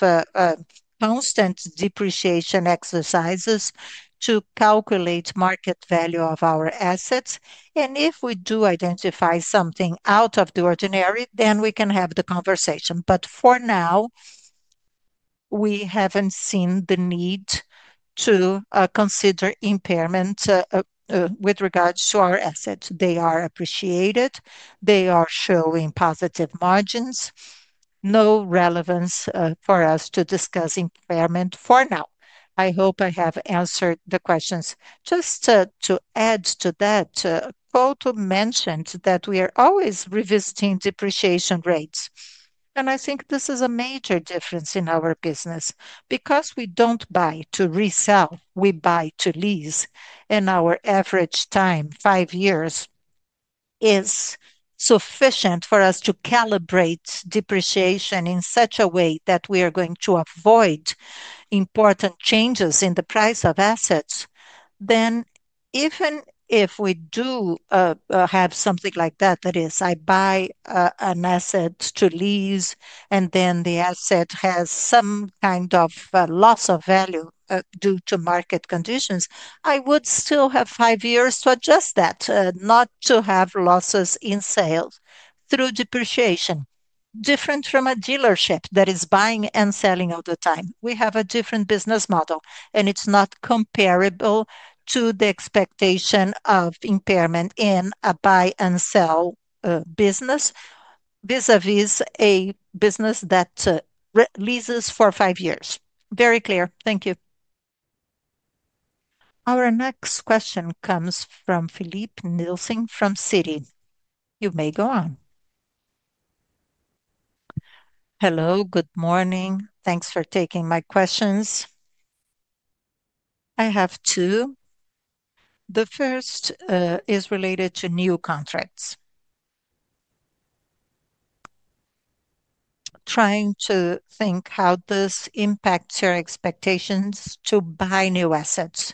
constant depreciation exercises to calculate market value of our assets. If we do identify something out of the ordinary, we can have the conversation. For now, we have not seen the need to consider impairment with regards to our assets. They are appreciated. They are showing positive margins. No relevance for us to discuss impairment for now. I hope I have answered the questions. Just to add to that, Couto mentioned that we are always revisiting depreciation rates. I think this is a major difference in our business because we do not buy to resell. We buy to lease. Our average time, five years, is sufficient for us to calibrate depreciation in such a way that we are going to avoid important changes in the price of assets. Even if we do have something like that, that is, I buy an asset to lease and then the asset has some kind of loss of value due to market conditions, I would still have five years to adjust that, not to have losses in sales through depreciation. Different from a dealership that is buying and selling all the time. We have a different business model, and it is not comparable to the expectation of impairment in a buy-and-sell business vis-à-vis a business that leases for five years. Very clear. Thank you. Our next question comes from Philippe Nielsen from Citi. You may go on. Hello, good morning. Thanks for taking my questions. I have two. The first is related to new contracts. Trying to think how this impacts your expectations to buy new assets.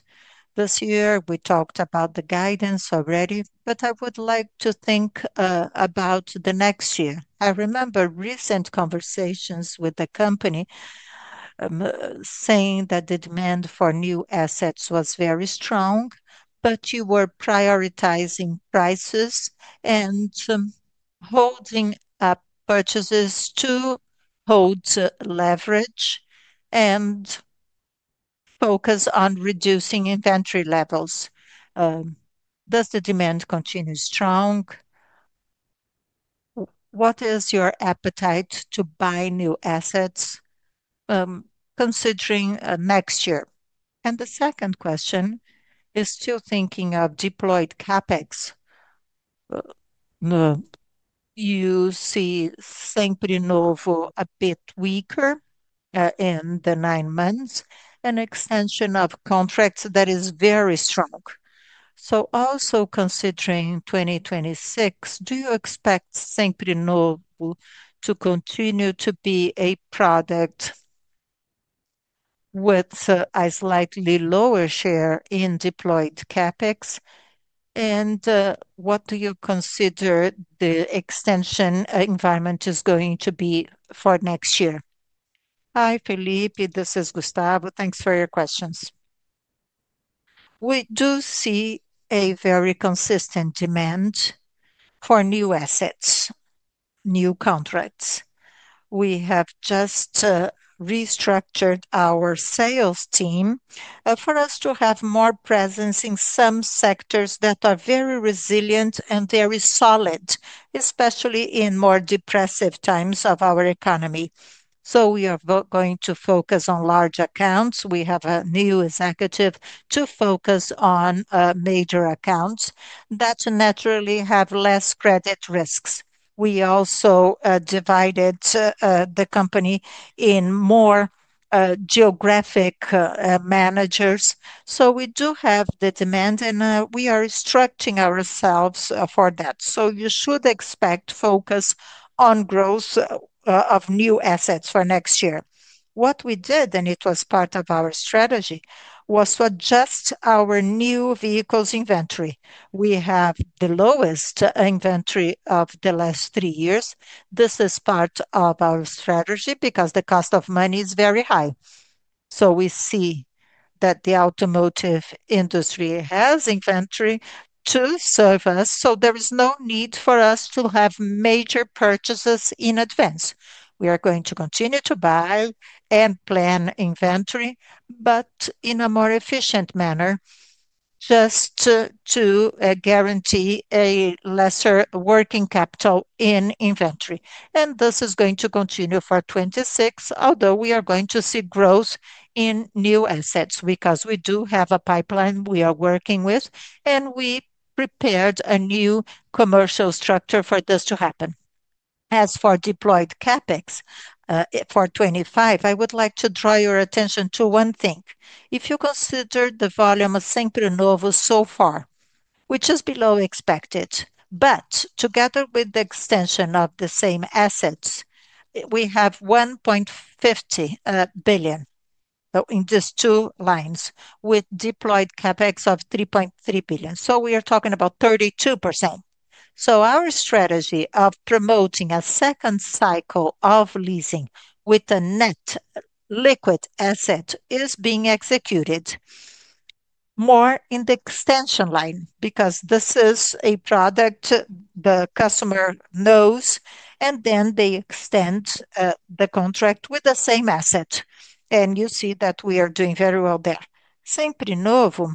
This year, we talked about the guidance already, but I would like to think about the next year. I remember recent conversations with the company saying that the demand for new assets was very strong, but you were prioritizing prices and holding up purchases to hold leverage and focus on reducing inventory levels. Does the demand continue strong? What is your appetite to buy new assets considering next year? The second question is still thinking of deployed CapEx. You see Sempre Novo a bit weaker in the nine months, an extension of contracts that is very strong. Also considering 2026, do you expect Sempre Novo to continue to be a product with a slightly lower share in deployed CapEx? What do you consider the extension environment is going to be for next year? Hi, Philippe. This is Gustavo. Thanks for your questions. We do see a very consistent demand for new assets, new contracts. We have just restructured our sales team for us to have more presence in some sectors that are very resilient and very solid, especially in more depressive times of our economy. We are going to focus on large accounts. We have a new executive to focus on major accounts that naturally have less credit risks. We also divided the company in more geographic managers. We do have the demand, and we are structuring ourselves for that. You should expect focus on growth of new assets for next year. What we did, and it was part of our strategy, was to adjust our new vehicles inventory. We have the lowest inventory of the last three years. This is part of our strategy because the cost of money is very high. We see that the automotive industry has inventory to serve us. There is no need for us to have major purchases in advance. We are going to continue to buy and plan inventory, but in a more efficient manner just to guarantee a lesser working capital in inventory. This is going to continue for 2026, although we are going to see growth in new assets because we do have a pipeline we are working with, and we prepared a new commercial structure for this to happen. As for deployed CapEx for 2025, I would like to draw your attention to one thing. If you consider the volume of Sempre Novo so far, which is below expected, but together with the extension of the same assets, we have 1.50 billion in these two lines with deployed CapEx of 3.3 billion. We are talking about 32%. Our strategy of promoting a second cycle of leasing with a net liquid asset is being executed more in the extension line because this is a product the customer knows, and then they extend the contract with the same asset. You see that we are doing very well there. Sempre Novo,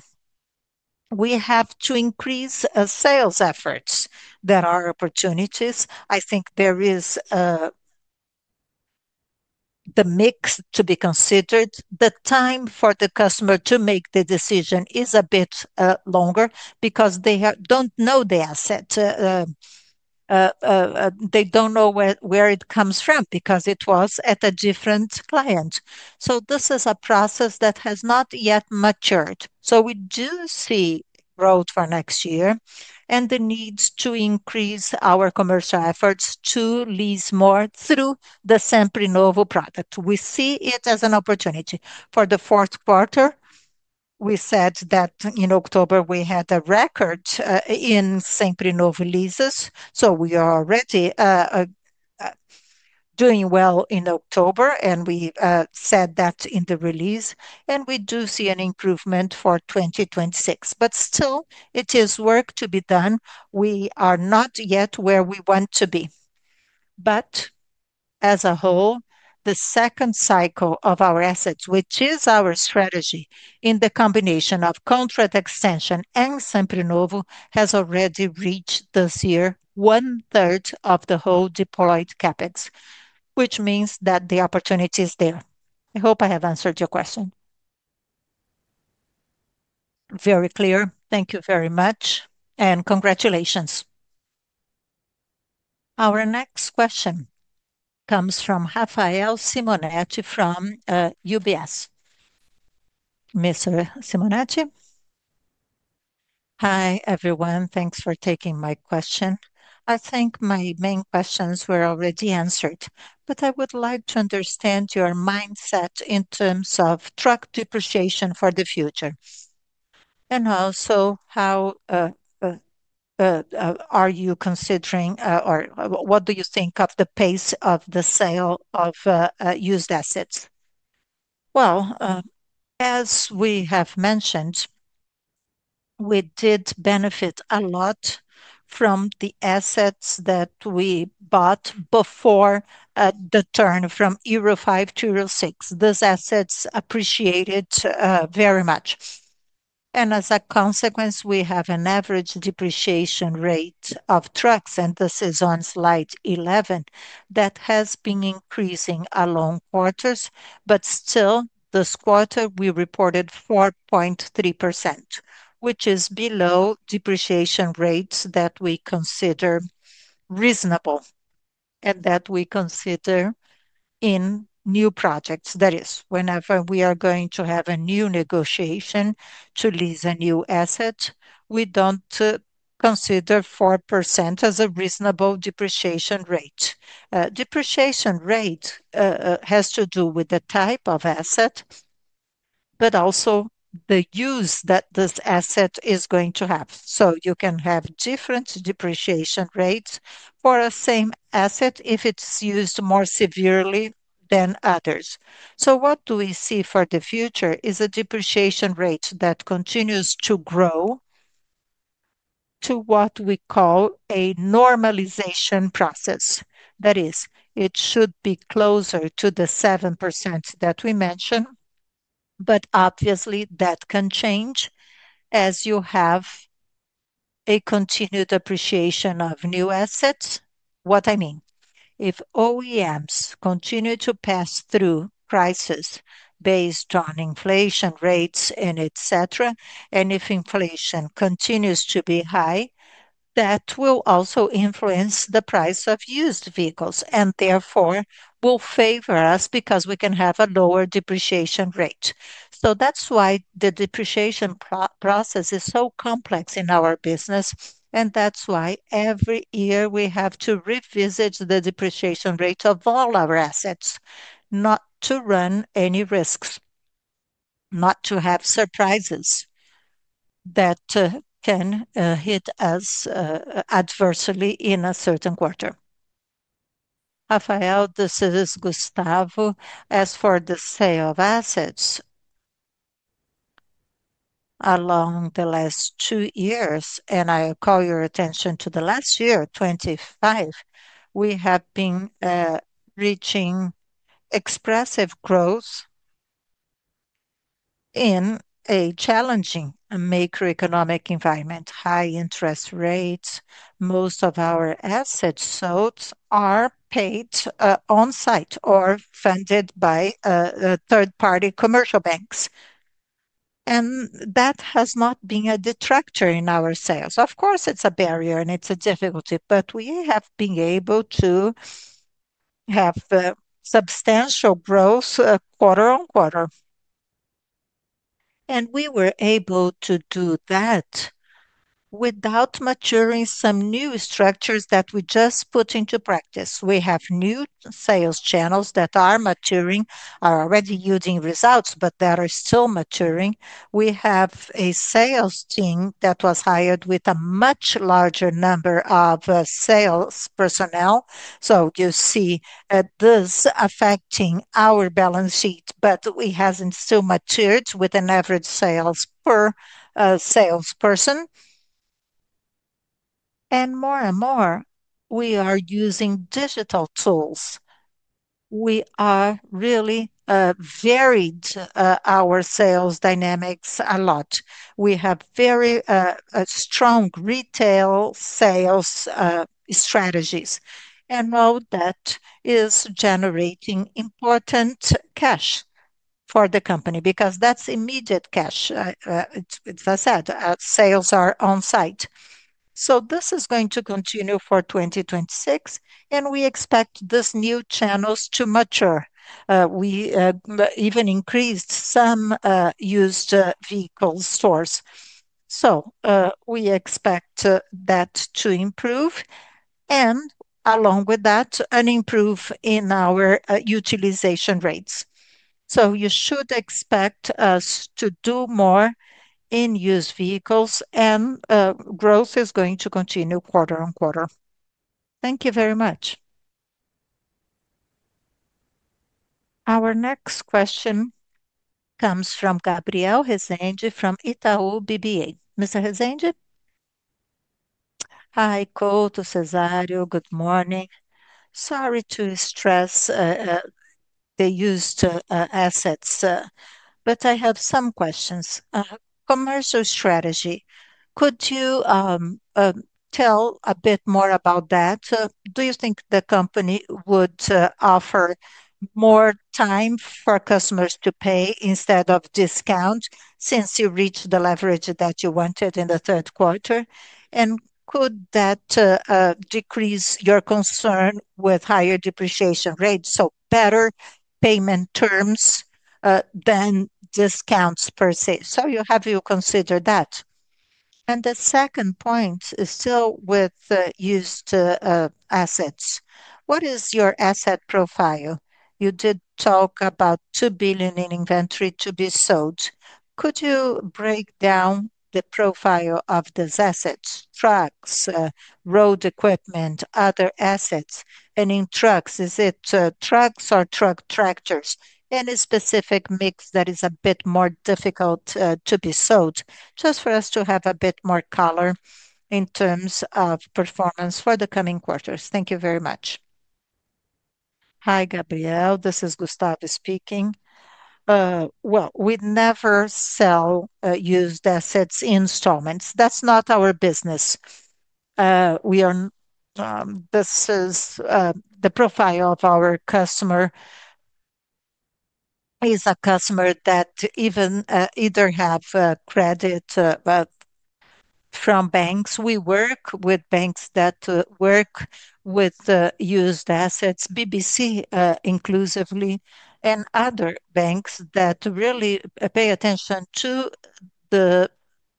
we have to increase sales efforts. There are opportunities. I think there is the mix to be considered. The time for the customer to make the decision is a bit longer because they do not know the asset. They do not know where it comes from because it was at a different client. This is a process that has not yet matured. We do see growth for next year and the need to increase our commercial efforts to lease more through the Sempre Novo product. We see it as an opportunity. For the fourth quarter, we said that in October we had a record in Sempre Novo leases. We are already doing well in October, and we said that in the release. We do see an improvement for 2026. Still, it is work to be done. We are not yet where we want to be. As a whole, the second cycle of our assets, which is our strategy in the combination of contract extension and Sempre Novo, has already reached this year one-third of the whole deployed CapEx, which means that the opportunity is there. I hope I have answered your question. Very clear. Thank you very much, and congratulations. Our next question comes from Rafael Simonetti from UBS. Mr. Simonetti? Hi, everyone. Thanks for taking my question. I think my main questions were already answered, but I would like to understand your mindset in terms of truck depreciation for the future. Also, how are you considering, or what do you think of the pace of the sale of used assets? As we have mentioned, we did benefit a lot from the assets that we bought before the turn from BRL 5 to BRL 6. Those assets appreciated very much. As a consequence, we have an average depreciation rate of trucks, and this is on slide 11, that has been increasing along quarters. Still, this quarter, we reported 4.3%, which is below depreciation rates that we consider reasonable and that we consider in new projects. That is, whenever we are going to have a new negotiation to lease a new asset, we do not consider 4% as a reasonable depreciation rate. Depreciation rate has to do with the type of asset, but also the use that this asset is going to have. You can have different depreciation rates for a same asset if it is used more severely than others. What we see for the future is a depreciation rate that continues to grow to what we call a normalization process. That is, it should be closer to the 7% that we mentioned, but obviously, that can change as you have a continued appreciation of new assets. What I mean, if OEMs continue to pass through prices based on inflation rates and etc., and if inflation continues to be high, that will also influence the price of used vehicles and therefore will favor us because we can have a lower depreciation rate. That is why the depreciation process is so complex in our business, and that is why every year we have to revisit the depreciation rate of all our assets, not to run any risks, not to have surprises that can hit us adversely in a certain quarter. Rafael, this is Gustavo. As for the sale of assets along the last two years, and I call your attention to the last year, 2025, we have been reaching expressive growth in a challenging macroeconomic environment, high interest rates. Most of our asset sales are paid on site or funded by third-party Commercial Banks. That has not been a detractor in our sales. Of course, it is a barrier and it is a difficulty, but we have been able to have substantial growth quarter on quarter. We were able to do that without maturing some new structures that we just put into practice. We have new sales channels that are maturing, are already using results, but that are still maturing. We have a sales team that was hired with a much larger number of sales personnel. You see this affecting our balance sheet, but we have not still matured with an average sales per salesperson. More and more, we are using digital tools. We are really varying our sales dynamics a lot. We have very strong retail sales strategies. That is generating important cash for the company because that is immediate cash. As I said, sales are on site. This is going to continue for 2026, and we expect these new channels to mature. We even increased some used vehicle stores. We expect that to improve. Along with that, an improvement in our utilization rates. You should expect us to do more in used vehicles, and growth is going to continue quarter on quarter. Thank you very much. Our next question comes from Gabriel Resende from Itaú BBA. Mr. Resende? Hi, Couto, Cesário. Good morning. Sorry to stress the used assets, but I have some questions. Commercial strategy, could you tell a bit more about that? Do you think the company would offer more time for customers to pay instead of discount since you reached the leverage that you wanted in the third quarter? Could that decrease your concern with higher depreciation rates, so better payment terms than discounts per se? You have your consider that. The second point is still with used assets. What is your asset profile? You did talk about 2 billion in inventory to be sold. Could you break down the profile of these assets? Trucks, road equipment, other assets, and in trucks, is it trucks or truck tractors? Any specific mix that is a bit more difficult to be sold? Just for us to have a bit more color in terms of performance for the coming quarters. Thank you very much. Hi, Gabriel. This is Gustavo speaking. We never sell used assets in installments. That is not our business. This is the profile of our customer. He is a customer that either has credit from banks. We work with banks that work with used assets, BBC inclusively, and other banks that really pay attention to the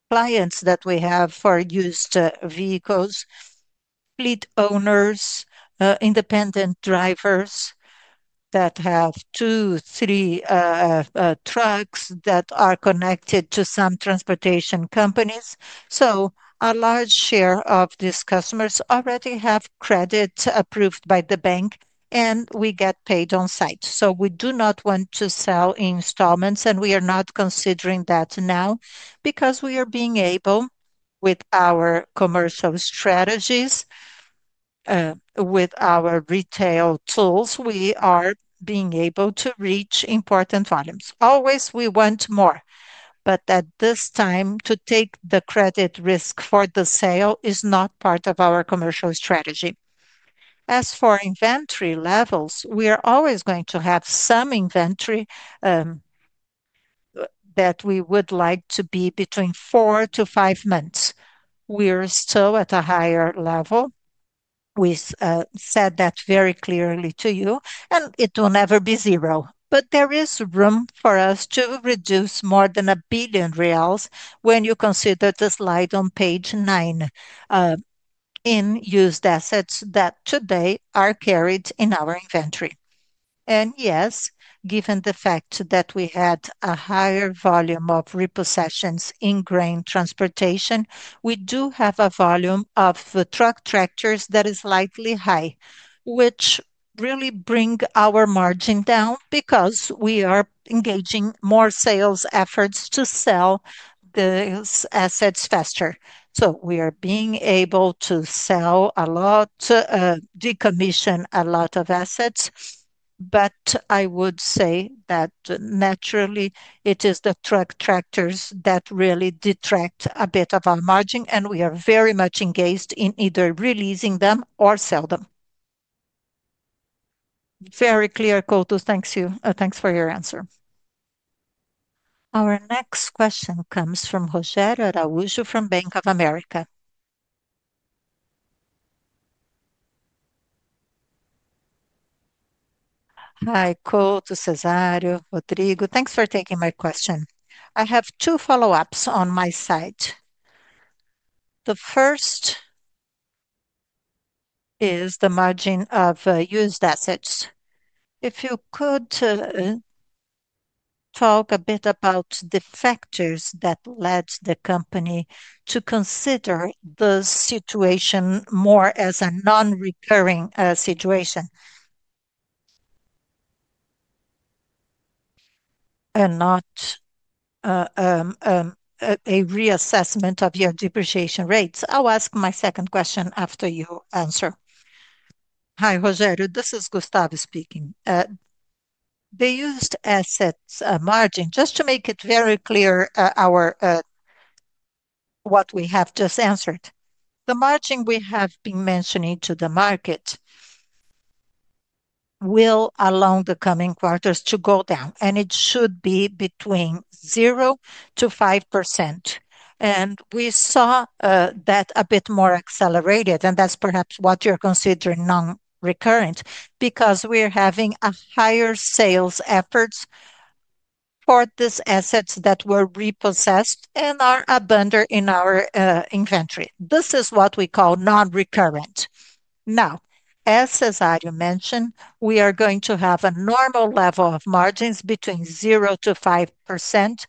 clients that we have for used vehicles, fleet owners, independent drivers that have two, three trucks that are connected to some transportation companies. A large share of these customers already have credit approved by the bank, and we get paid on site. We do not want to sell installments, and we are not considering that now because we are being able, with our commercial strategies, with our retail tools, we are being able to reach important volumes. Always we want more, but at this time, to take the credit risk for the sale is not part of our commercial strategy. As for inventory levels, we are always going to have some inventory that we would like to be between four and five months. We are still at a higher level. We said that very clearly to you, and it will never be zero. There is room for us to reduce more than 1 billion reais when you consider the slide on page nine in used assets that today are carried in our inventory. Yes, given the fact that we had a higher volume of repossessions in grain transportation, we do have a volume of truck tractors that is slightly high, which really brings our margin down because we are engaging more sales efforts to sell these assets faster. We are being able to sell a lot, decommission a lot of assets, but I would say that naturally it is the truck tractors that really detract a bit of our margin, and we are very much engaged in either releasing them or selling them. Very clear, Couto. Thank you. Thanks for your answer. Our next question comes from Rogério Araújo from Bank of America. Hi, Couto, Cesário, Rodrigo. Thanks for taking my question. I have two follow-ups on my side. The first is the margin of used assets. If you could talk a bit about the factors that led the company to consider the situation more as a non-recurring situation and not a reassessment of your depreciation rates. I'll ask my second question after you answer. Hi, Rogério. This is Gustavo speaking. The used assets margin, just to make it very clear what we have just answered. The margin we have been mentioning to the market will, along the coming quarters, go down, and it should be between 0-5%. And we saw that a bit more accelerated, and that's perhaps what you're considering non-recurrent because we're having higher sales efforts for these assets that were repossessed and are abundant in our inventory. This is what we call non-recurrent. Now, as Cesário mentioned, we are going to have a normal level of margins between 0 and 5%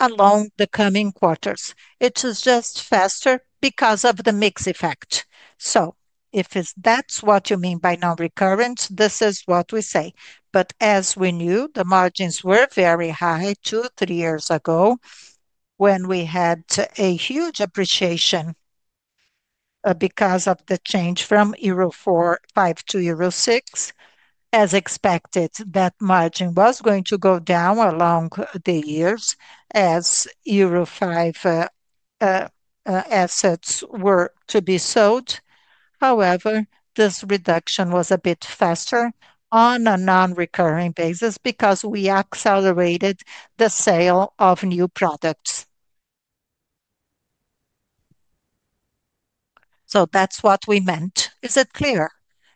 along the coming quarters. It is just faster because of the mix effect. If that's what you mean by non-recurrent, this is what we say. As we knew, the margins were very high two, three years ago when we had a huge appreciation because of the change from BRL 4, BRL 5 to BRL 6. As expected, that margin was going to go down along the years as BRL 5 assets were to be sold. However, this reduction was a bit faster on a non-recurring basis because we accelerated the sale of new products. That's what we meant. Is it clear?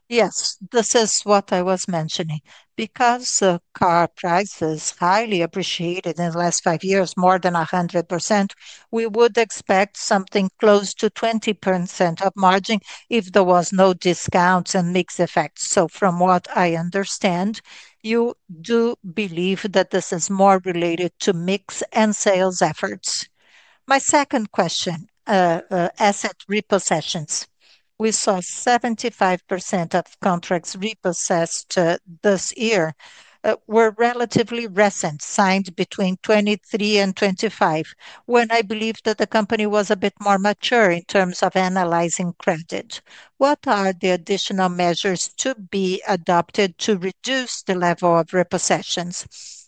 Yes, this is what I was mentioning. Because car prices highly appreciated in the last five years, more than 100%, we would expect something close to 20% of margin if there were no discounts and mix effects. From what I understand, you do believe that this is more related to mix and sales efforts. My second question, asset repossessions. We saw 75% of contracts repossessed this year were relatively recent, signed between 2023 and 2025, when I believe that the company was a bit more mature in terms of analyzing credit. What are the additional measures to be adopted to reduce the level of repossessions?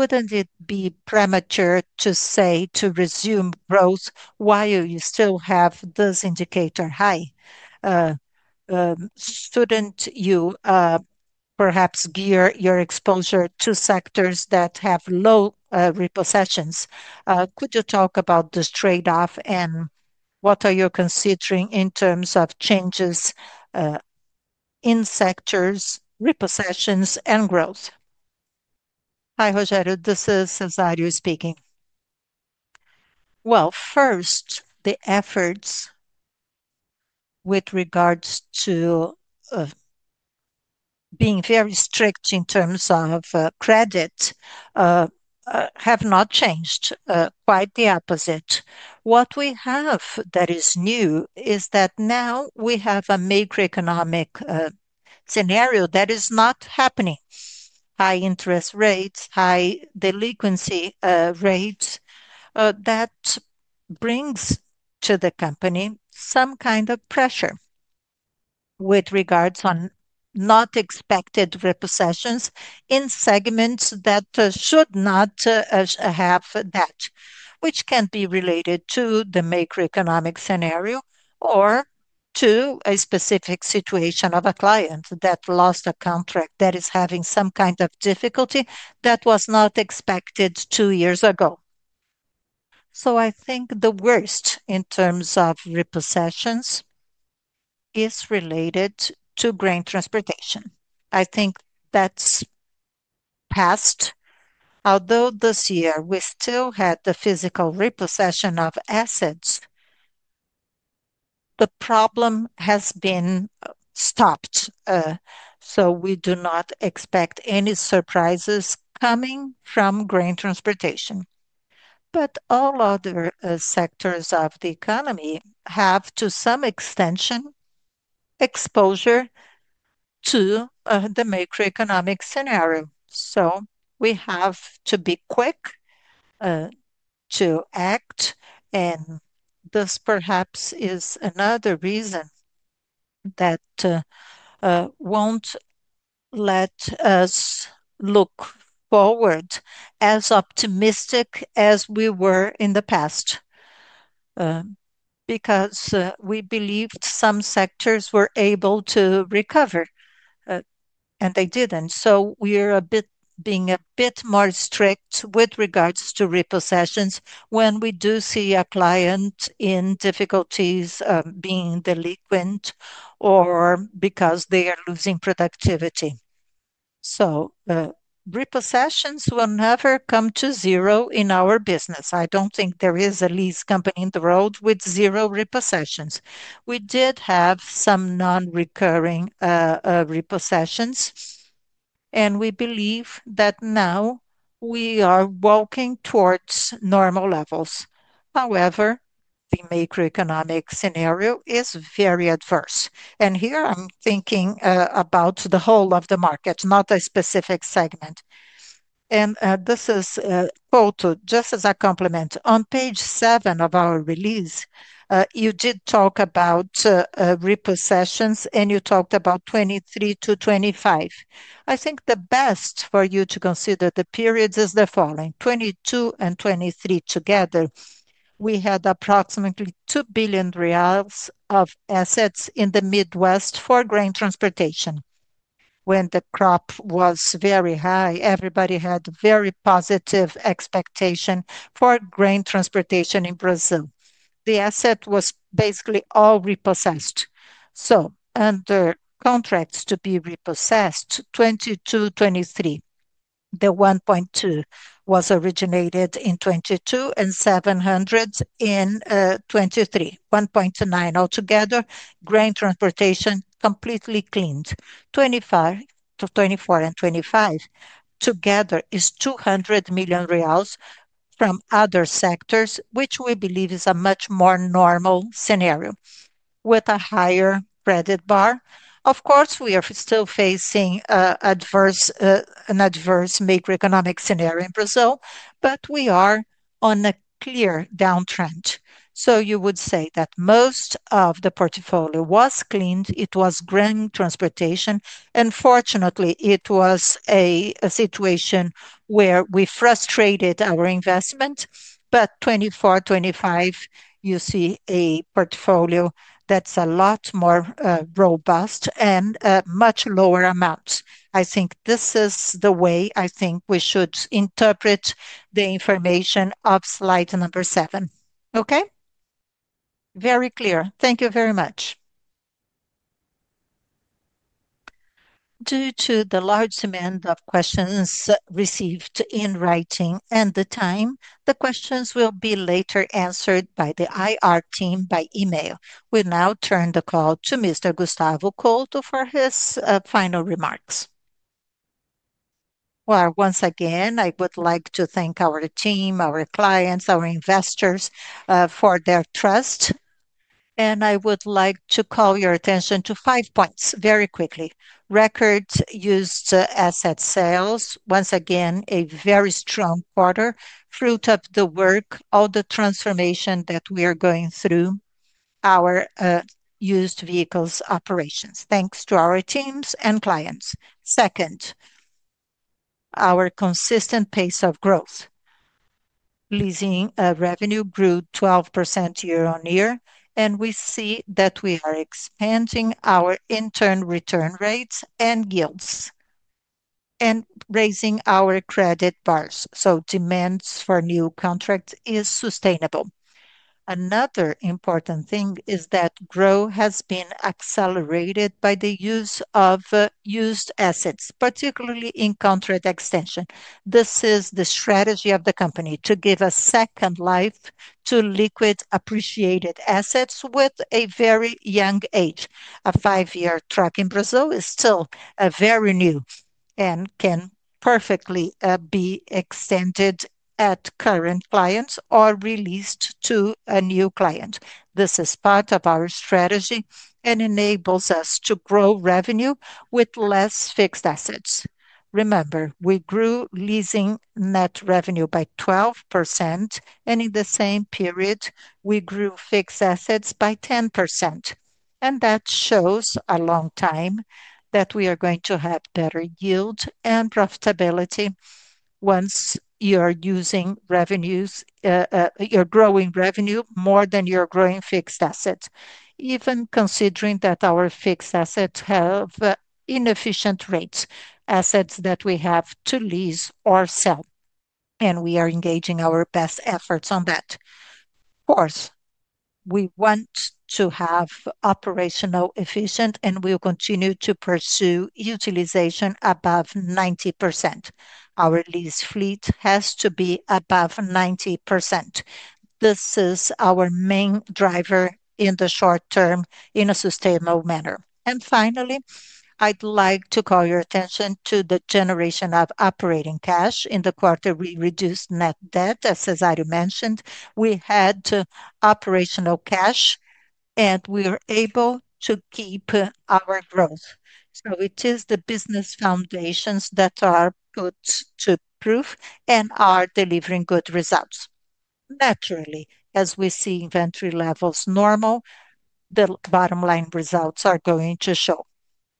Wouldn't it be premature to say to resume growth while you still have this indicator high? Shouldn't you perhaps gear your exposure to sectors that have low repossessions? Could you talk about this trade-off and what are you considering in terms of changes in sectors, repossessions, and growth? Hi, Rogério. This is Cesário speaking. First, the efforts with regards to being very strict in terms of credit have not changed. Quite the opposite. What we have that is new is that now we have a macroeconomic scenario that is not happening. High interest rates, high delinquency rates that bring to the company some kind of pressure with regards on not expected repossessions in segments that should not have that, which can be related to the macroeconomic scenario or to a specific situation of a client that lost a contract that is having some kind of difficulty that was not expected two years ago. I think the worst in terms of repossessions is related to grain transportation. I think that's past. Although this year we still had the physical repossession of assets, the problem has been stopped. We do not expect any surprises coming from grain transportation. All other sectors of the economy have, to some extension, exposure to the macroeconomic scenario. We have to be quick to act, and this perhaps is another reason that will not let us look forward as optimistic as we were in the past because we believed some sectors were able to recover, and they did not. We are being a bit more strict with regards to repossessions when we do see a client in difficulties being delinquent or because they are losing productivity. Repossessions will never come to zero in our business. I do not think there is a lease company in the world with zero repossessions. We did have some non-recurring repossessions, and we believe that now we are walking towards normal levels. However, the Macroeconomic scenario is very adverse. Here I am thinking about the whole of the market, not a specific segment. This is Couto, just as a compliment. On page seven of our release, you did talk about repossessions, and you talked about 2023 to 2025. I think the best for you to consider the periods is the following: 2022 and 2023 together, we had approximately 2 billion reais of assets in the Midwest for grain transportation. When the crop was very high, everybody had very positive expectations for grain transportation in Brazil. The asset was basically all repossessed. So under contracts to be repossessed, 2022, 2023, the 1.2 billion was originated in 2022 and 700 million in 2023. 1.29 billion altogether, grain transportation completely cleaned. 2024 and 2025 together is 200 million reais from other sectors, which we believe is a much more normal scenario with a higher credit bar. Of course, we are still facing an adverse macroeconomic scenario in Brazil, but we are on a clear downtrend. You would say that most of the portfolio was cleaned. It was grain transportation. Fortunately, it was a situation where we frustrated our investment. For 2024, 2025, you see a portfolio that's a lot more robust and much lower amounts. I think this is the way I think we should interpret the information of slide number seven. Okay? Very clear. Thank you very much. Due to the large demand of questions received in writing and the time, the questions will be later answered by the IR team by email. We now turn the call to Mr. Gustavo Couto for his final remarks. Once again, I would like to thank our team, our clients, our investors for their trust. I would like to call your attention to five points very quickly. Records used asset sales, once again, a very strong quarter, fruit of the work, all the transformation that we are going through, our used vehicles operations. Thanks to our teams and clients. Second, our consistent pace of growth. Leasing revenue grew 12% year on year, and we see that we are expanding our internal return rates and yields and raising our credit bars. So demands for new contracts are sustainable. Another important thing is that growth has been accelerated by the use of used assets, particularly in contract extension. This is the strategy of the company to give a second life to liquid appreciated assets with a very young age. A five-year truck in Brazil is still very new and can perfectly be extended at current clients or released to a new client. This is part of our strategy and enables us to grow revenue with less fixed assets. Remember, we grew leasing net revenue by 12%, and in the same period, we grew fixed assets by 10%. That shows a long time that we are going to have better yield and profitability once you're using revenues, you're growing revenue more than you're growing fixed assets. Even considering that our fixed assets have inefficient rates, assets that we have to lease or sell, and we are engaging our best efforts on that. Of course, we want to have operational efficiency, and we will continue to pursue utilization above 90%. Our lease fleet has to be above 90%. This is our main driver in the short term in a sustainable manner. Finally, I'd like to call your attention to the generation of operating cash. In the quarter, we reduced net debt, as Cesário mentioned. We had operational cash, and we were able to keep our growth. It is the business foundations that are put to proof and are delivering good results. Naturally, as we see inventory levels normal, the bottom line results are going to show.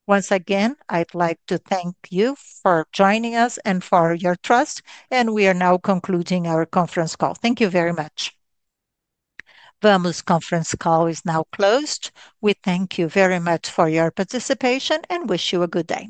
Once again, I'd like to thank you for joining us and for your trust, and we are now concluding our conference call. Thank you very much. Grupo Vamos conference call is now closed. We thank you very much for your participation and wish you a good day.